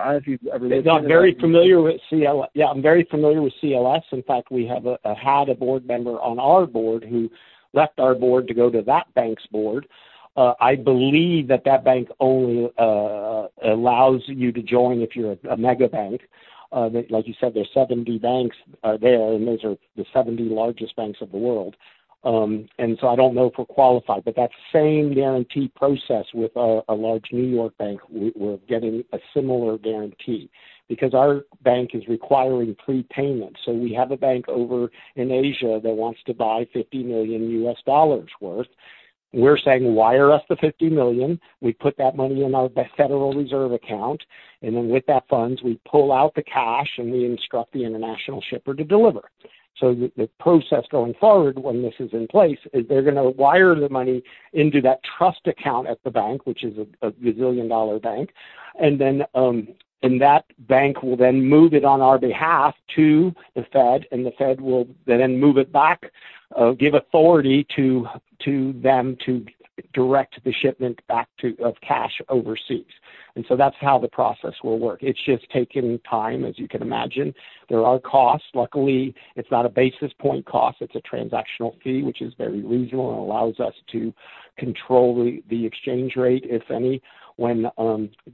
as you've- I'm very familiar with CLS. Yeah, I'm very familiar with CLS. In fact, we had a board member on our board who left our board to go to that bank's board. I believe that that bank only allows you to join if you're a mega bank. Like you said, there's 70 banks there, and those are the 70 largest banks of the world. And so I don't know if we're qualified, but that same guarantee process with a large New York bank, we're getting a similar guarantee because our bank is requiring prepayment. So we have a bank over in Asia that wants to buy $50 million worth. We're saying, wire us the $50 million. We put that money in our Federal Reserve account, and then with that funds, we pull out the cash, and we instruct the international shipper to deliver. So the process going forward, when this is in place, is they're gonna wire the money into that trust account at the bank, which is a gazillion-dollar bank. And then, and that bank will then move it on our behalf to the Fed, and the Fed will then move it back, give authority to them to direct the shipment back to, of cash overseas. And so that's how the process will work. It's just taking time, as you can imagine. There are costs. Luckily, it's not a basis point cost. It's a transactional fee, which is very reasonable and allows us to control the exchange rate, if any, when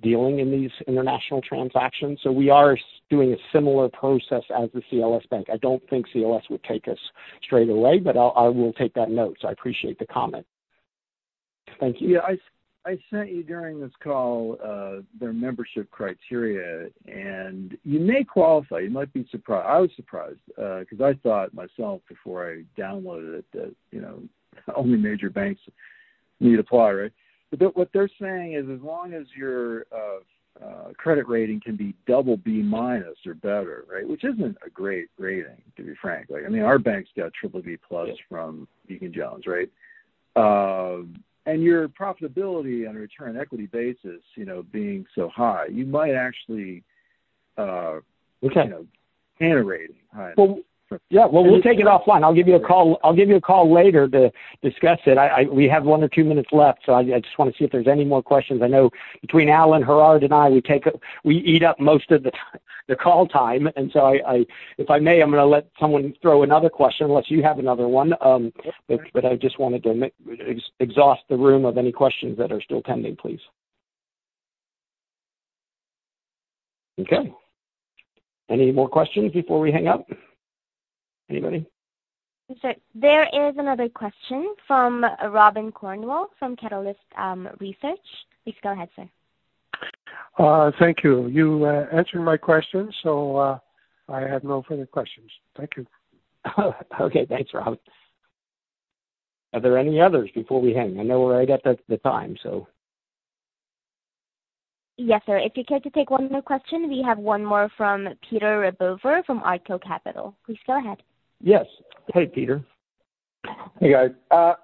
dealing in these international transactions. So we are doing a similar process as the CLS Bank. I don't think CLS would take us straight away, but I'll, I will take that note. So I appreciate the comment. Thank you. Yeah, I sent you during this call their membership criteria, and you may qualify. You might be surprised. I was surprised because I thought myself, before I downloaded it, that, you know, only major banks need apply, right? But what they're saying is, as long as your credit rating can be double B- or better, right? Which isn't a great rating, to be frank. Like, I mean, our bank's got triple B+ from Egan-Jones, right? And your profitability on a return equity basis, you know, being so high, you might actually... Okay. You know, kind of rating. Well, yeah, we'll take it offline. I'll give you a call. I'll give you a call later to discuss it. We have one or two minutes left, so I just want to see if there's any more questions. I know between Al and Gerhard and I, we eat up most of the call time. So if I may, I'm gonna let someone throw another question, unless you have another one. But I just wanted to exhaust the room of any questions that are still pending, please. Okay. Any more questions before we hang up? Anybody? Sir, there is another question from Robin Cornwell, from Catalyst Research. Please go ahead, sir. Thank you. You answered my question, so I have no further questions. Thank you. Okay. Thanks, Robin. Are there any others before we hang? I know we're right at the time, so. Yes, sir. If you care to take one more question. We have one more from Peter Rabover from Artko Capital. Please go ahead. Yes. Hey, Peter. Hey, guys.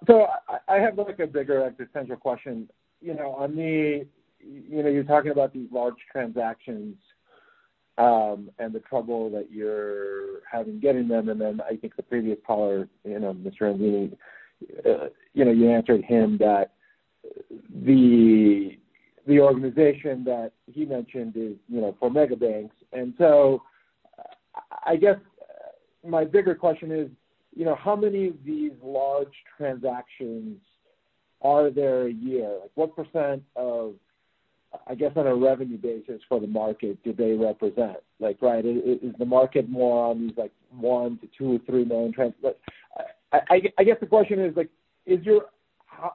So I have, like, a bigger existential question. You know, on the, you know, you're talking about these large transactions, and the trouble that you're having getting them. And then I think the previous caller, you know, Mr. Ranzini, you know, you answered him that the organization that he mentioned is, you know, for mega banks. And so I guess my bigger question is, you know, how many of these large transactions are there a year? Like, what percent of, I guess, on a revenue basis for the market do they represent? Like, right, is the market more on these, like, one to two or three million trans- but I guess the question is like, is your-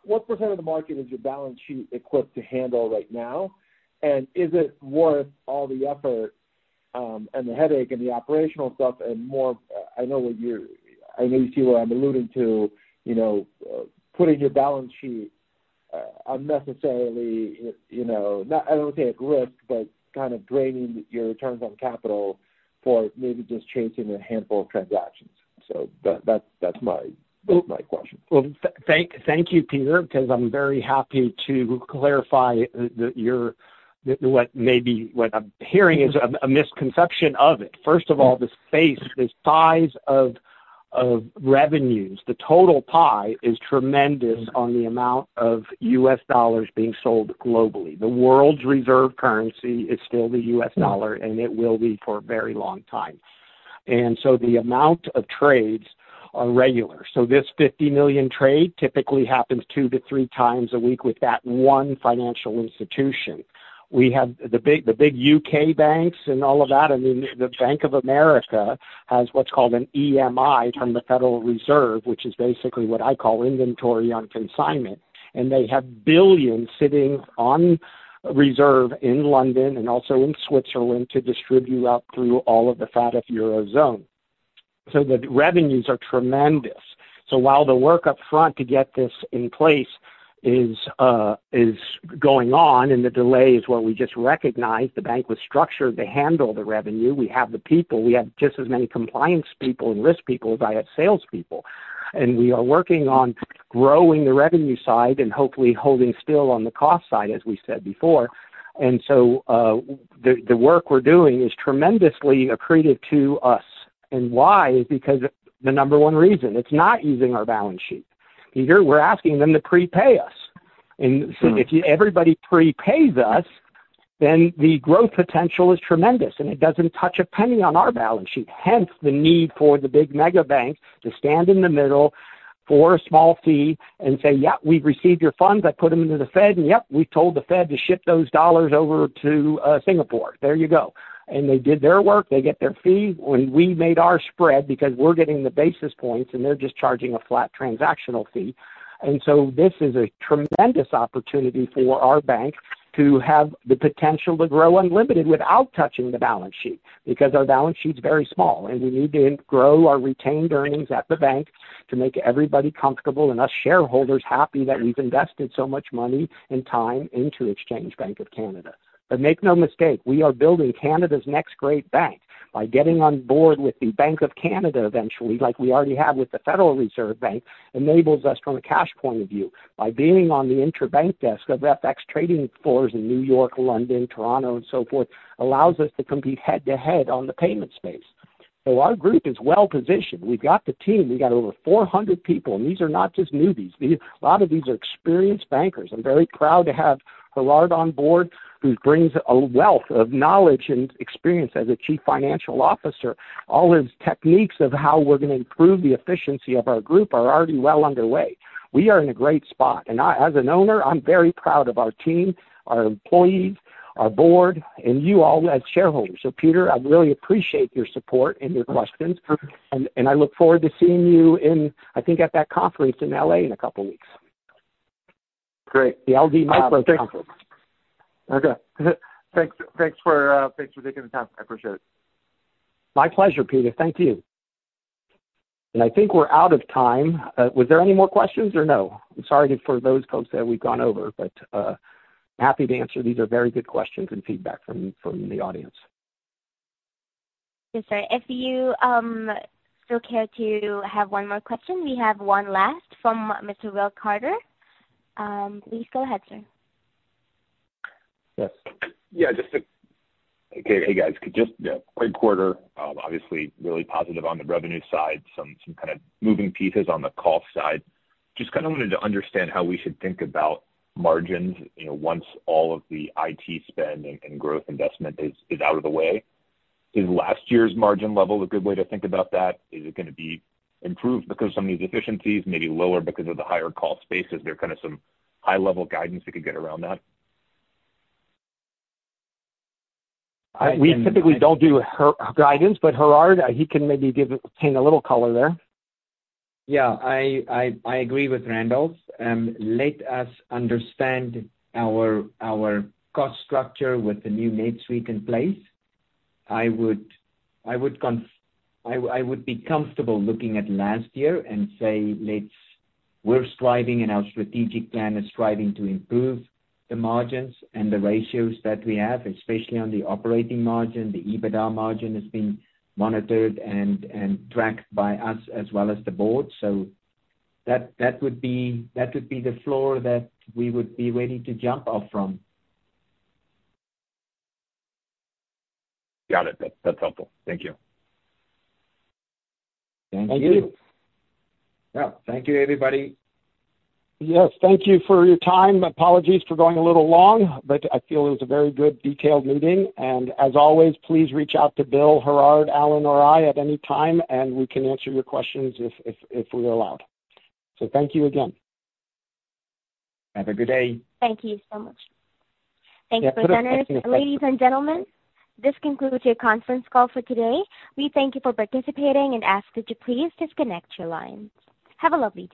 what percent of the market is your balance sheet equipped to handle right now? Is it worth all the effort, and the headache and the operational stuff and more, I know you see what I'm alluding to, you know, putting your balance sheet unnecessarily, you know, not, I don't want to say at risk, but kind of draining your returns on capital for maybe just chasing a handful of transactions? So that's, that's my, my question. Well, thank you, Peter, because I'm very happy to clarify that your, what may be, what I'm hearing is a misconception of it. First of all, the space, the size of revenues, the total pie is tremendous on the amount of U.S. dollars being sold globally. The world's reserve currency is still the U.S. dollar, and it will be for a very long time. And so the amount of trades are regular. So this $50 million trade typically happens 2x-3x a week with that one financial institution. We have the big U.K. banks and all of that. I mean, the Bank of America has what's called an EMI from the Federal Reserve, which is basically what I call inventory on consignment, and they have billions sitting on reserve in London and also in Switzerland to distribute out through all of the FATF Eurozone. So the revenues are tremendous. So while the work up front to get this in place is going on and the delay is what we just recognized, the bank was structured to handle the revenue. We have the people. We have just as many compliance people and risk people as I have salespeople, and we are working on growing the revenue side and hopefully holding still on the cost side, as we said before. And so, the work we're doing is tremendously accretive to us. And why? Is because the number one reason, it's not using our balance sheet. Peter, we're asking them to prepay us. And so if everybody prepays us, then the growth potential is tremendous, and it doesn't touch a penny on our balance sheet. Hence, the need for the big mega banks to stand in the middle for a small fee and say, "Yep, we've received your funds. I put them into the Fed, and, yep, we told the Fed to ship those dollars over to, Singapore. There you go." And they did their work. They get their fee. When we made our spread, because we're getting the basis points, and they're just charging a flat transactional fee. This is a tremendous opportunity for our bank to have the potential to grow unlimited without touching the balance sheet, because our balance sheet's very small, and we need to grow our retained earnings at the bank to make everybody comfortable, and us shareholders happy that we've invested so much money and time into Exchange Bank of Canada. But make no mistake, we are building Canada's next great bank. By getting on board with the Bank of Canada eventually, like we already have with the Federal Reserve Bank, enables us from a cash point of view. By being on the interbank desk of FX trading floors in New York, London, Toronto, and so forth, allows us to compete head-to-head on the payment space. Our group is well positioned. We've got the team. We've got over 400 people, and these are not just newbies. These, a lot of these are experienced bankers. I'm very proud to have Gerhard on board, who brings a wealth of knowledge and experience as a chief financial officer. All his techniques of how we're going to improve the efficiency of our group are already well underway. We are in a great spot, and I, as an owner, I'm very proud of our team, our employees, our board, and you all as shareholders. So Peter, I really appreciate your support and your questions. And, and I look forward to seeing you in, I think, at that conference in L.A. in a couple of weeks. Great. The LD Micro conference. Okay. Thanks for taking the time. I appreciate it. My pleasure, Peter. Thank you. I think we're out of time. Was there any more questions or no? I'm sorry for those folks that we've gone over, but happy to answer. These are very good questions and feedback from the audience. Yes, sir. If you still care to have one more question, we have one last from Mr. Will Carter. Please go ahead, sir. Yes. Yeah, just to. Okay. Hey, guys, just, yeah, great quarter. Obviously, really positive on the revenue side. Some kind of moving pieces on the cost side. Just kind of wanted to understand how we should think about margins, you know, once all of the IT spend and growth investment is out of the way. Is last year's margin level a good way to think about that? Is it gonna be improved because of some of these efficiencies, maybe lower because of the higher cost base? Is there kind of some high-level guidance you could get around that? We typically don't do forward guidance, but Gerhard, he can maybe give it, paint a little color there. Yeah, I agree with Randolph. Let us understand our cost structure with the new NetSuite in place. I would be comfortable looking at last year and say, let's we're striving and our strategic plan is striving to improve the margins and the ratios that we have, especially on the operating margin. The EBITDA margin has been monitored and tracked by us as well as the board. So that would be the floor that we would be ready to jump off from. Got it. That's helpful. Thank you. Thank you. Thank you. Yeah. Thank you, everybody. Yes, thank you for your time. Apologies for going a little long, but I feel it was a very good, detailed meeting. As always, please reach out to Bill, Gerhard, Alan, or I at any time, and we can answer your questions if we're allowed. Thank you again. Have a good day. Thank you so much. Thanks for joining us. Ladies and gentlemen, this concludes your conference call for today. We thank you for participating and ask that you please disconnect your lines. Have a lovely day.